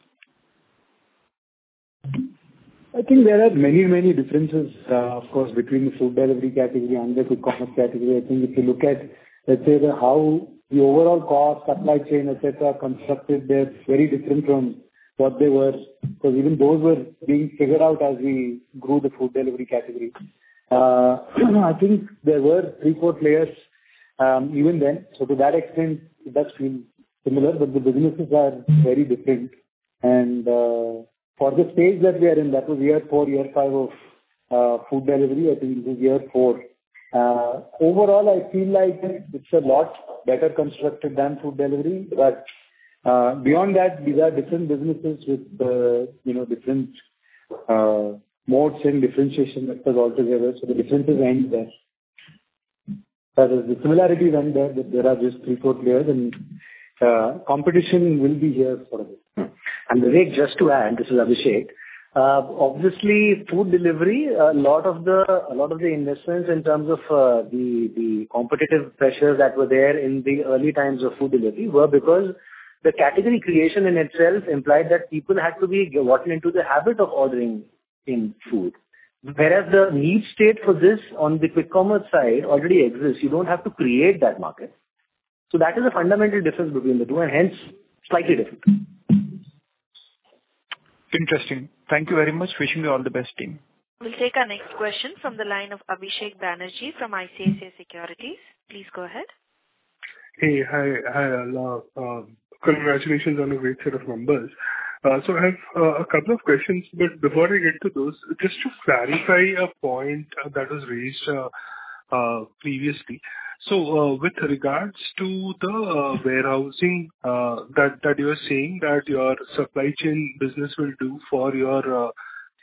I think there are many, many differences, of course, between the food delivery category and the quick commerce category. I think if you look at, let's say, how the overall cost, supply chain, etc., constructed, they're very different from what they were because even those were being figured out as we grew the food delivery category. I think there were three, four players even then. So to that extent, it does feel similar, but the businesses are very different. And for the stage that we are in, that was year four, year five of food delivery. I think this is year four. Overall, I feel like it's a lot better constructed than food delivery. But beyond that, these are different businesses with different modes and differentiation factors altogether. So the differences end there. The similarities end there, but there are just three, four players and competition will be here for a bit, and Quick, just to add, this is Abhishek. Obviously, food delivery, a lot of the investments in terms of the competitive pressures that were there in the early times of food delivery were because the category creation in itself implied that people had to be gotten into the habit of ordering in food. Whereas the need state for this on the quick commerce side already exists. You don't have to create that market. So that is a fundamental difference between the two and hence slightly different. Interesting. Thank you very much. Wishing you all the best, team. We'll take our next question from the line of Abhishek Banerjee from ICICI Securities. Please go ahead. Hey, hi. Hi, Rahul. Congratulations on a great set of numbers. So I have a couple of questions, but before I get to those, just to clarify a point that was raised previously. So with regards to the warehousing that you were saying that your supply chain business will do for your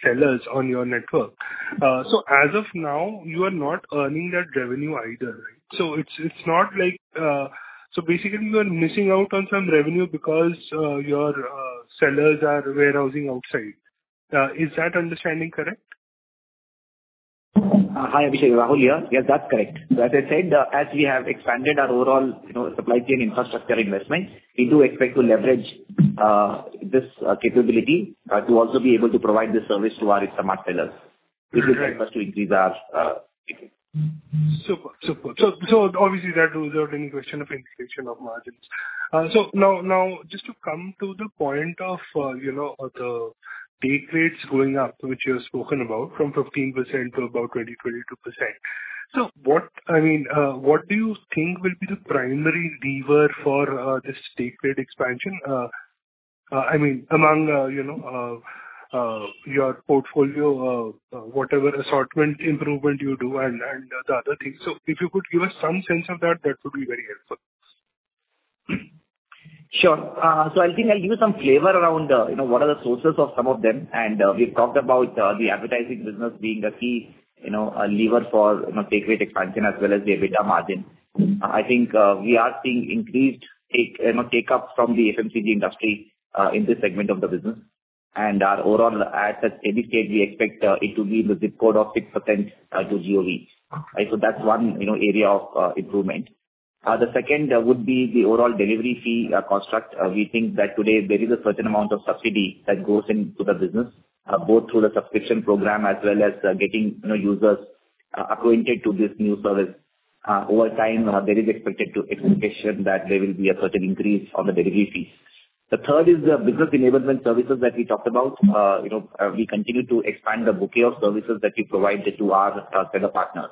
sellers on your network, so as of now, you are not earning that revenue either, right? So it's not like so basically, you are missing out on some revenue because your sellers are warehousing outside. Is that understanding correct? Hi, Abhishek. Rahul, yes. Yes, that's correct. So as I said, as we have expanded our overall supply chain infrastructure investment, we do expect to leverage this capability to also be able to provide this service to our Instamart sellers if it helps us to increase our capability. Super. Super. So obviously, that would result in a question of inflation of margins. So now, just to come to the point of the take rates going up, which you have spoken about from 15% to about 20%-22%. So I mean, what do you think will be the primary lever for this take rate expansion? I mean, among your portfolio, whatever assortment improvement you do and the other things. So if you could give us some sense of that, that would be very helpful. Sure. So I think I'll give you some flavor around what are the sources of some of them. And we've talked about the advertising business being a key lever for D2C expansion as well as the EBITDA margin. I think we are seeing increased take-up from the FMCG industry in this segment of the business. And our overall ad take rate, we expect it to be in the zip code of 6% of GOV. So that's one area of improvement. The second would be the overall delivery fee construct. We think that today, there is a certain amount of subsidy that goes into the business, both through the subscription program as well as getting users acquainted to this new service. Over time, there is an expectation that there will be a certain increase on the delivery fees. The third is the business enablement services that we talked about. We continue to expand the bouquet of services that we provide to our set of partners,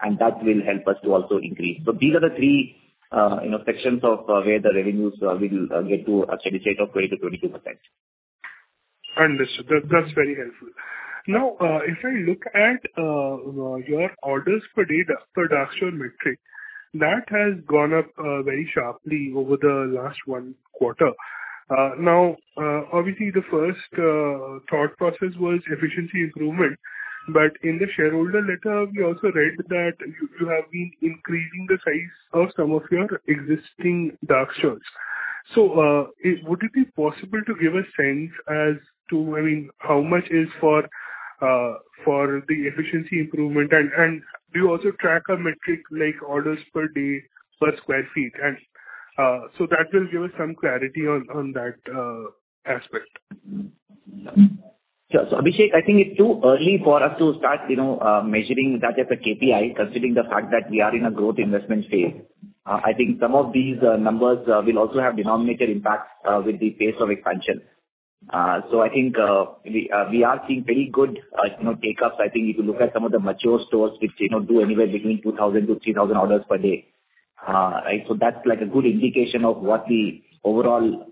and that will help us to also increase, so these are the three sections of where the revenues will get to a steady state of 20%-22%. Understood. That's very helpful. Now, if I look at your orders per day productivity metric, that has gone up very sharply over the last one quarter. Now, obviously, the first thought process was efficiency improvement, but in the shareholder letter, we also read that you have been increasing the size of some of your existing dark stores. So would it be possible to give a sense as to, I mean, how much is for the efficiency improvement? And do you also track a metric like orders per day per square feet? And so that will give us some clarity on that aspect. Yeah. So Abhishek, I think it's too early for us to start measuring that type of KPI, considering the fact that we are in a growth investment phase. I think some of these numbers will also have denominator impact with the pace of expansion. So I think we are seeing pretty good take-ups. I think if you look at some of the mature stores which do anywhere between 2,000-3,000 orders per day, right? So that's like a good indication of what the overall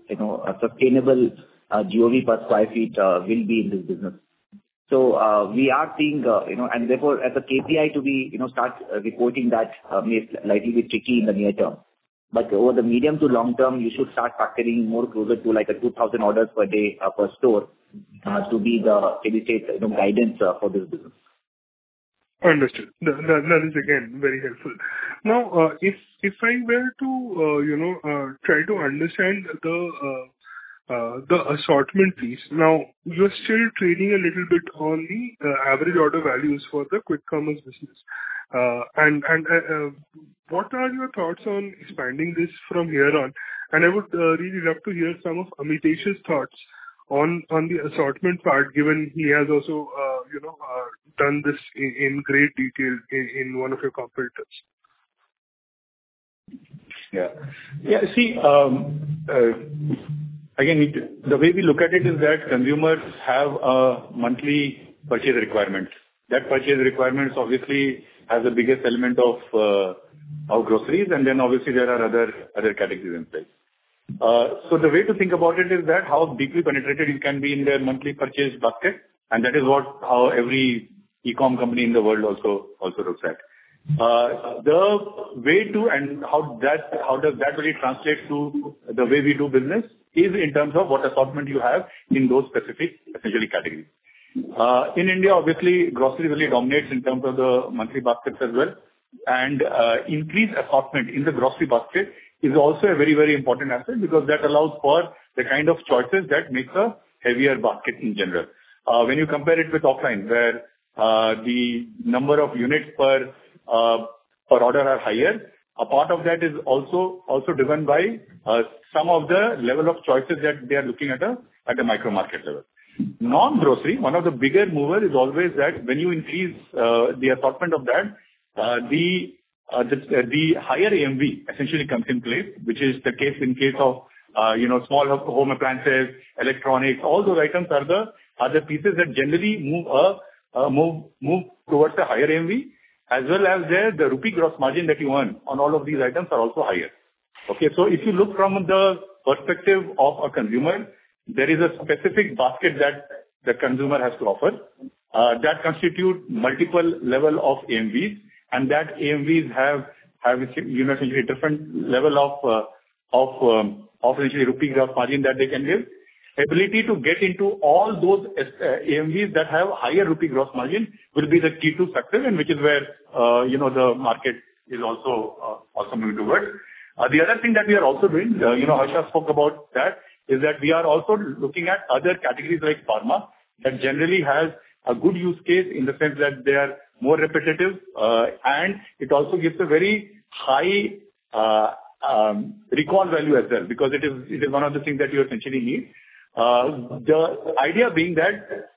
sustainable GOV per sq ft will be in this business. So we are seeing, and therefore, as a KPI to be start reporting that may slightly be tricky in the near term. But over the medium to long term, you should start factoring more closer to like 2,000 orders per day per store to be the steady state guidance for this business. Understood. That is, again, very helpful. Now, if I were to try to understand the assortment piece, now you're still trading a little bit on the average order values for the quick commerce business. What are your thoughts on expanding this from here on? I would really love to hear some of Amitesh's thoughts on the assortment part, given he has also done this in great detail in one of your competitors. Yeah. Yeah. See, again, the way we look at it is that consumers have a monthly purchase requirement. That purchase requirement obviously has the biggest element of groceries, and then obviously there are other categories in place. So the way to think about it is that how deeply penetrated you can be in their monthly purchase bucket. And that is how every e-comm company in the world also looks at. The way to, and how does that really translate to the way we do business is in terms of what assortment you have in those specific essentially categories. In India, obviously, groceries really dominates in terms of the monthly baskets as well. And increased assortment in the grocery basket is also a very, very important asset because that allows for the kind of choices that make a heavier basket in general. When you compare it with offline, where the number of units per order are higher, a part of that is also driven by some of the level of choices that they are looking at at the micro market level. Non-grocery, one of the bigger movers is always that when you increase the assortment of that, the higher AOV essentially comes in place, which is the case in case of small home appliances, electronics, all those items are the pieces that generally move towards the higher AOV, as well as the rupee gross margin that you earn on all of these items are also higher. Okay. So if you look from the perspective of a consumer, there is a specific basket that the consumer has to offer that constitutes multiple levels of AOVs, and that AOVs have essentially different levels of essentially rupee gross margin that they can give. Ability to get into all those AOVs that have higher rupee gross margin will be the key to success, and which is where the market is also moving towards. The other thing that we are also doing, Harsha spoke about that, is that we are also looking at other categories like pharma that generally have a good use case in the sense that they are more repetitive, and it also gives a very high recall value as well because it is one of the things that you essentially need. The idea being that,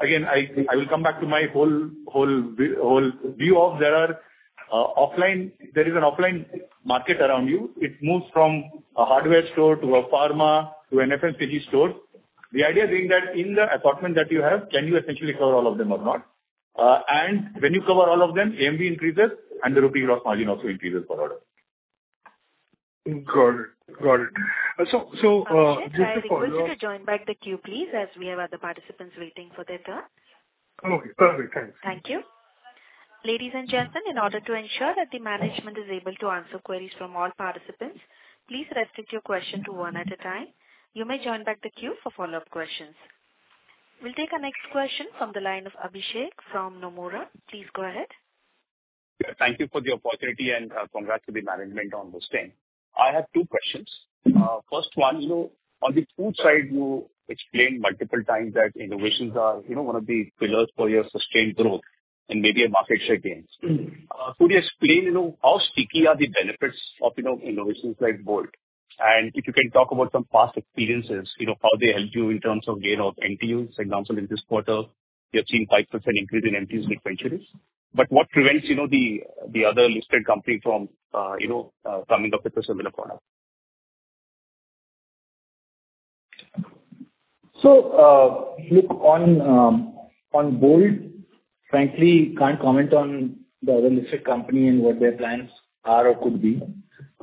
again, I will come back to my whole view of there are offline, there is an offline market around you. It moves from a hardware store to a pharma to an FMCG store. The idea being that in the assortment that you have, can you essentially cover all of them or not? When you cover all of them, AOV increases and the true gross margin also increases for orders. Got it. Got it. So just to follow. Abhishek, would you like to join back the queue, please, as we have other participants waiting for their turn? Okay. Perfect. Thanks. Thank you. Ladies and gentlemen, in order to ensure that the management is able to answer queries from all participants, please restrict your question to one at a time. You may join back the queue for follow-up questions. We'll take our next question from the line of Abhishek from Nomura. Please go ahead. Yeah. Thank you for the opportunity and congrats to the management on this thing. I have two questions. First one, on the food side, you explained multiple times that innovations are one of the pillars for your sustained growth and maybe a market share gain. Could you explain how sticky are the benefits of innovations like Bolt? And if you can talk about some past experiences, how they helped you in terms of gain of MTUs. For example, in this quarter, you have seen 5% increase in MTUs with ventures. But what prevents the other listed company from coming up with a similar product? So look, on Bolt, frankly, I can't comment on the other listed company and what their plans are or could be.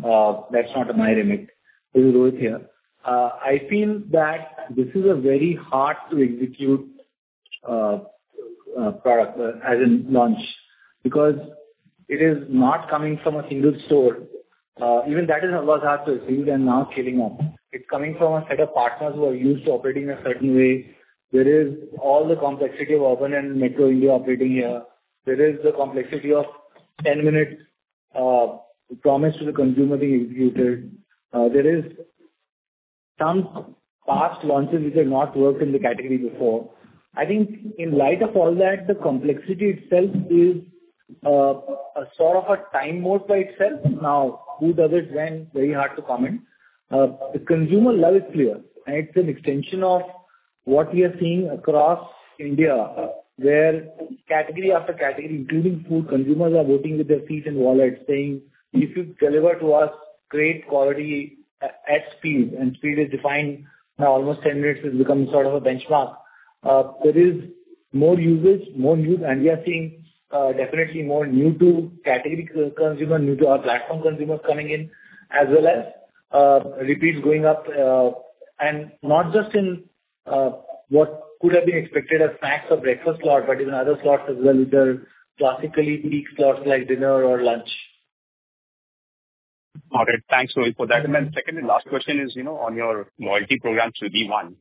That's not my remit. We'll do it here. I feel that this is a very hard-to-execute product as a launch because it is not coming from a single store. Even that was hard to achieve and now scaling up. It's coming from a set of partners who are used to operating a certain way. There is all the complexity of urban and metro India operating here. There is the complexity of 10-minute promise to the consumer being executed. There are some past launches which have not worked in the category before. I think in light of all that, the complexity itself is sort of a time moat by itself. Now, who does it when? Very hard to comment. The consumer love is clear, and it's an extension of what we are seeing across India, where category after category, including food, consumers are voting with their feet and wallets saying, "If you deliver to us, great quality at speed." And speed is defined now almost 10 minutes has become sort of a benchmark. There is more usage, more news, and we are seeing definitely more new-to-category consumers, new-to-our-platform consumers coming in, as well as repeats going up. And not just in what could have been expected as snacks or breakfast slots, but even other slots as well, which are classically weak slots like dinner or lunch. Got it. Thanks, Rahul, for that, and then second and last question is on your loyalty program Swiggy One.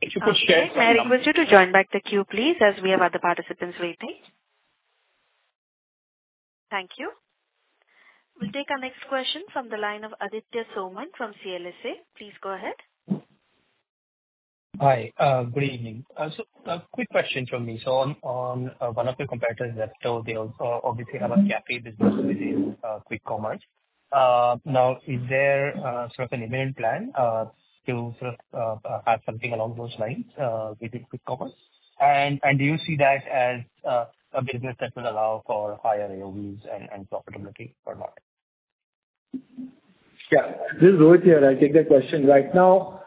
If you could share something. I request you to join back the queue, please, as we have other participants waiting. Thank you. We'll take our next question from the line of Aditya Soman from CLSA. Please go ahead. Hi. Good evening. So a quick question from me. So on one of your competitors, Zepto, they also obviously have a cafe business within quick commerce. Now, is there sort of an imminent plan to sort of add something along those lines within quick commerce? And do you see that as a business that will allow for higher AOVs and profitability or not? Yeah. This is Rohit here. I'll take that question. Right now,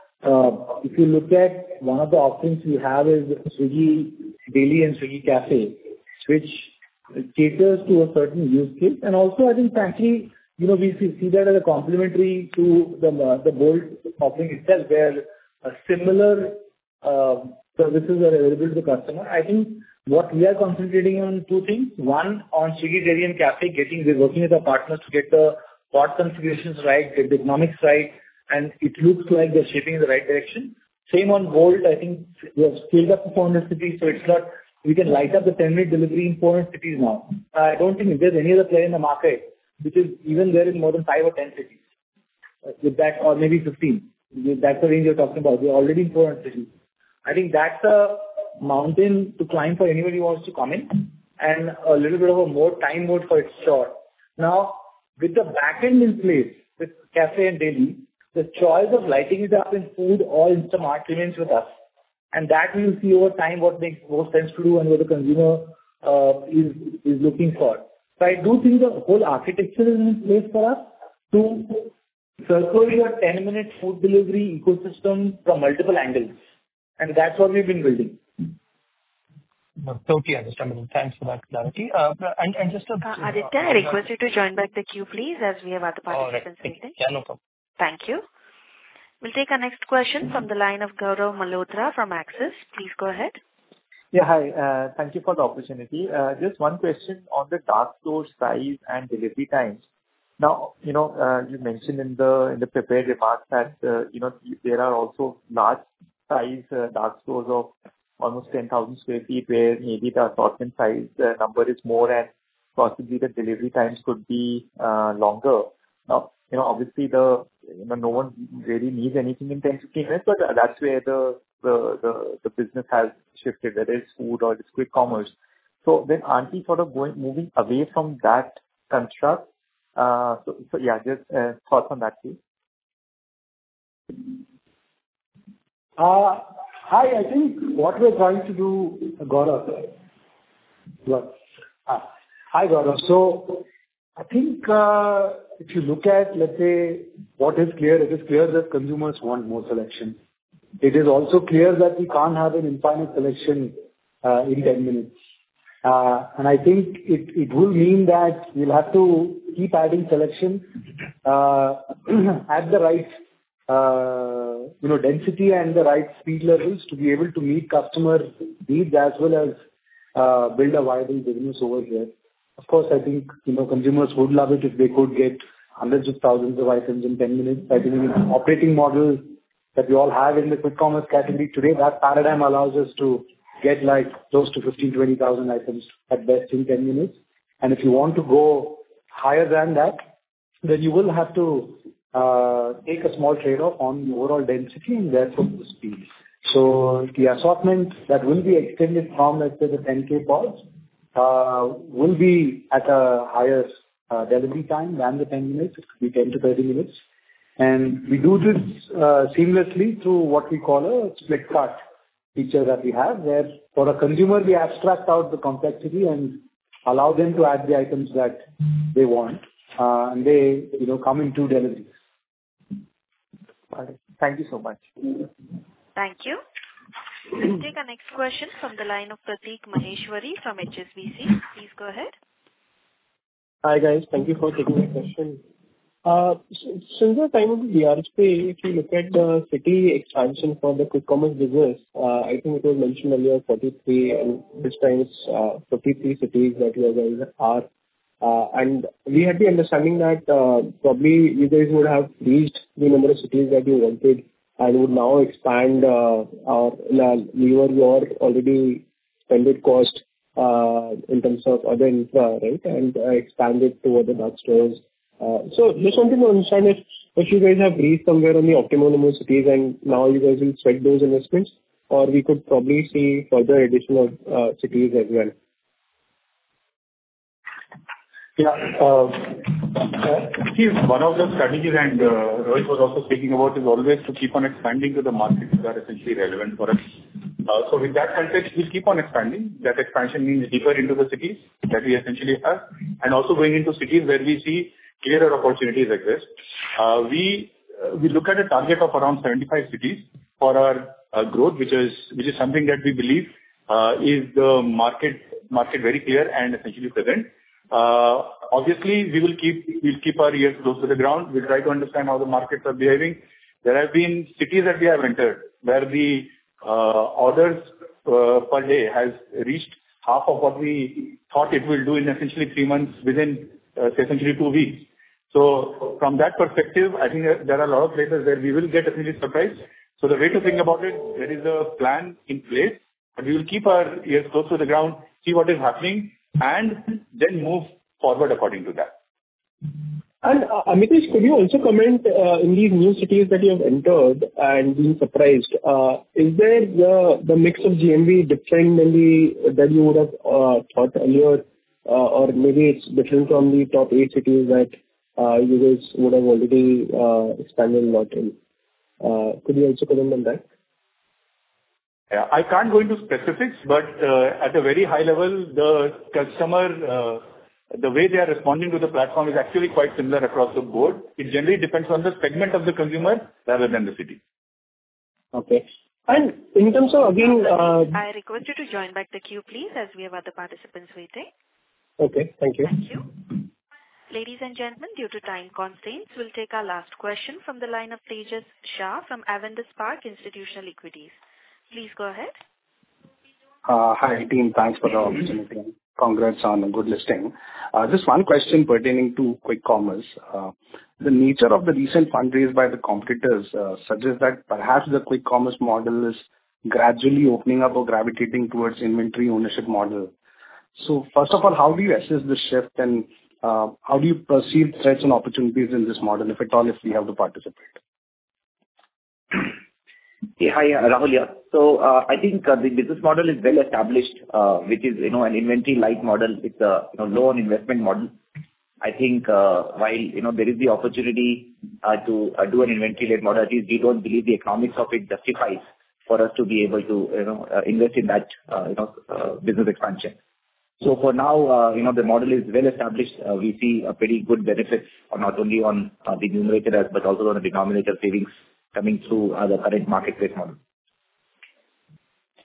if you look at one of the offerings we have is Swiggy Daily and Swiggy Cafe, which caters to a certain use case. And also, I think frankly, we see that as a complement to the Bolt offering itself, where similar services are available to the customer. I think what we are concentrating on are two things. One, on Swiggy Daily and Cafe, we're working with our partners to get the portion configurations right, get the economics right, and it looks like they're shaping in the right direction. Same on Bolt, I think we have scaled up to 400 cities, so we can light up the 10-minute delivery in 400 cities now. I don't think there's any other player in the market, which is even there in more than five or 10 cities, or maybe 15. That's the range we're talking about. We're already in 400 cities. I think that's a mountain to climb for anybody who wants to come in and a little bit of a moat for its store. Now, with the backend in place with Cafe and Daily, the choice of lighting it up in food or Instamart remains with us, and that we will see over time what makes more sense to do and what the consumer is looking for, so I do think the whole architecture is in place for us to encircle the 10-minute food delivery ecosystem from multiple angles, and that's what we've been building. Okay. Understandable. Thanks for that clarity. And just to. Aditya, I request you to join back the queue, please, as we have other participants waiting. Okay. Yeah. No problem. Thank you. We'll take our next question from the line of Gaurav Malhotra from Axis. Please go ahead. Yeah. Hi. Thank you for the opportunity. Just one question on the dark store size and delivery times. Now, you mentioned in the prepared remarks that there are also large-sized dark stores of almost 10,000 sq ft, where maybe the assortment size number is more and possibly the delivery times could be longer. Now, obviously, no one really needs anything in 10, 15 minutes, but that's where the business has shifted, whether it's food or it's quick commerce. So then aren't we sort of moving away from that construct? So yeah, just thoughts on that, please. Hi. I think what we're trying to do, Gaurav, right? Hi, Gaurav. So I think if you look at, let's say, what is clear, it is clear that consumers want more selection. It is also clear that we can't have an infinite selection in 10 minutes. And I think it will mean that we'll have to keep adding selections at the right density and the right speed levels to be able to meet customer needs as well as build a viable business over here. Of course, I think consumers would love it if they could get hundreds of thousands of items in 10 minutes. I think the operating model that we all have in the quick commerce category today, that paradigm allows us to get close to 15,000, 20,000 items at best in 10 minutes. And if you want to go higher than that, then you will have to take a small trade-off on the overall density and therefore the speed. So the assortment that will be extended from, let's say, the 10K products will be at a higher delivery time than the 10 minutes. It could be 10-30 minutes. And we do this seamlessly through what we call a Split Cart feature that we have, where for a consumer, we abstract out the complexity and allow them to add the items that they want, and they come in two deliveries. Got it. Thank you so much. Thank you. We'll take our next question from the line of Prateek Maheshwari from HSBC. Please go ahead. Hi guys. Thank you for taking my question. Since the time of DRHP, if you look at the city expansion for the quick commerce business, I think it was mentioned earlier, 43, and this time it's 43 cities that we are going to add, and we had the understanding that probably you guys would have reached the number of cities that you wanted and would now expand or lower your already spending cost in terms of other infra, right, and expand it toward the dark stores, so just wanted to understand if you guys have reached somewhere on the optimum amount of cities, and now you guys will spread those investments, or we could probably see further addition of cities as well. Yeah. I think one of the strategies and Rohit was also speaking about is always to keep on expanding to the markets that are essentially relevant for us. So in that context, we'll keep on expanding. That expansion means deeper into the cities that we essentially have and also going into cities where we see clearer opportunities exist. We look at a target of around 75 cities for our growth, which is something that we believe is the market very clear and essentially present. Obviously, we'll keep our ears close to the ground. We'll try to understand how the markets are behaving. There have been cities that we have entered where the orders per day have reached half of what we thought it will do in essentially three months, within essentially two weeks. So from that perspective, I think there are a lot of places where we will get a little surprise. So the way to think about it, there is a plan in place, but we will keep our ears close to the ground, see what is happening, and then move forward according to that. Amitesh, could you also comment on these new cities that you have entered and been surprised? Is there the mix of GMV different than you would have thought earlier, or maybe it's different from the top eight cities that you guys would have already expanded a lot in? Could you also comment on that? Yeah. I can't go into specifics, but at a very high level, the way they are responding to the platform is actually quite similar across the board. It generally depends on the segment of the consumer rather than the city. Okay. And in terms of, again. I request you to join back the queue, please, as we have other participants waiting. Okay. Thank you. Thank you. Ladies and gentlemen, due to time constraints, we'll take our last question from the line of Tejas Shah from Avendus Spark Institutional Equities. Please go ahead. Hi, Team. Thanks for the opportunity. Congrats on a good listing. Just one question pertaining to quick commerce. The nature of the recent fundraise by the competitors suggests that perhaps the quick commerce model is gradually opening up or gravitating towards inventory ownership model. So first of all, how do you assess the shift, and how do you perceive threats and opportunities in this model, if at all, if we have to participate? Yeah. Hi, Rahul. Yeah. So I think the business model is well established, which is an inventory-like model with a low-investment model. I think while there is the opportunity to do an inventory-led modality, we don't believe the economics of it justifies for us to be able to invest in that business expansion. So for now, the model is well established. We see a pretty good benefit not only on the numerator but also on the denominator savings coming through the current marketplace model.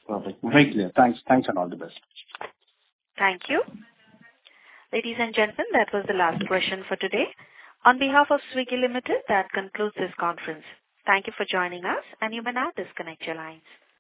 Perfect. Thank you. Thanks. Thanks and all the best. Thank you. Ladies and gentlemen, that was the last question for today. On behalf of Swiggy Limited, that concludes this conference. Thank you for joining us, and you may now disconnect your lines.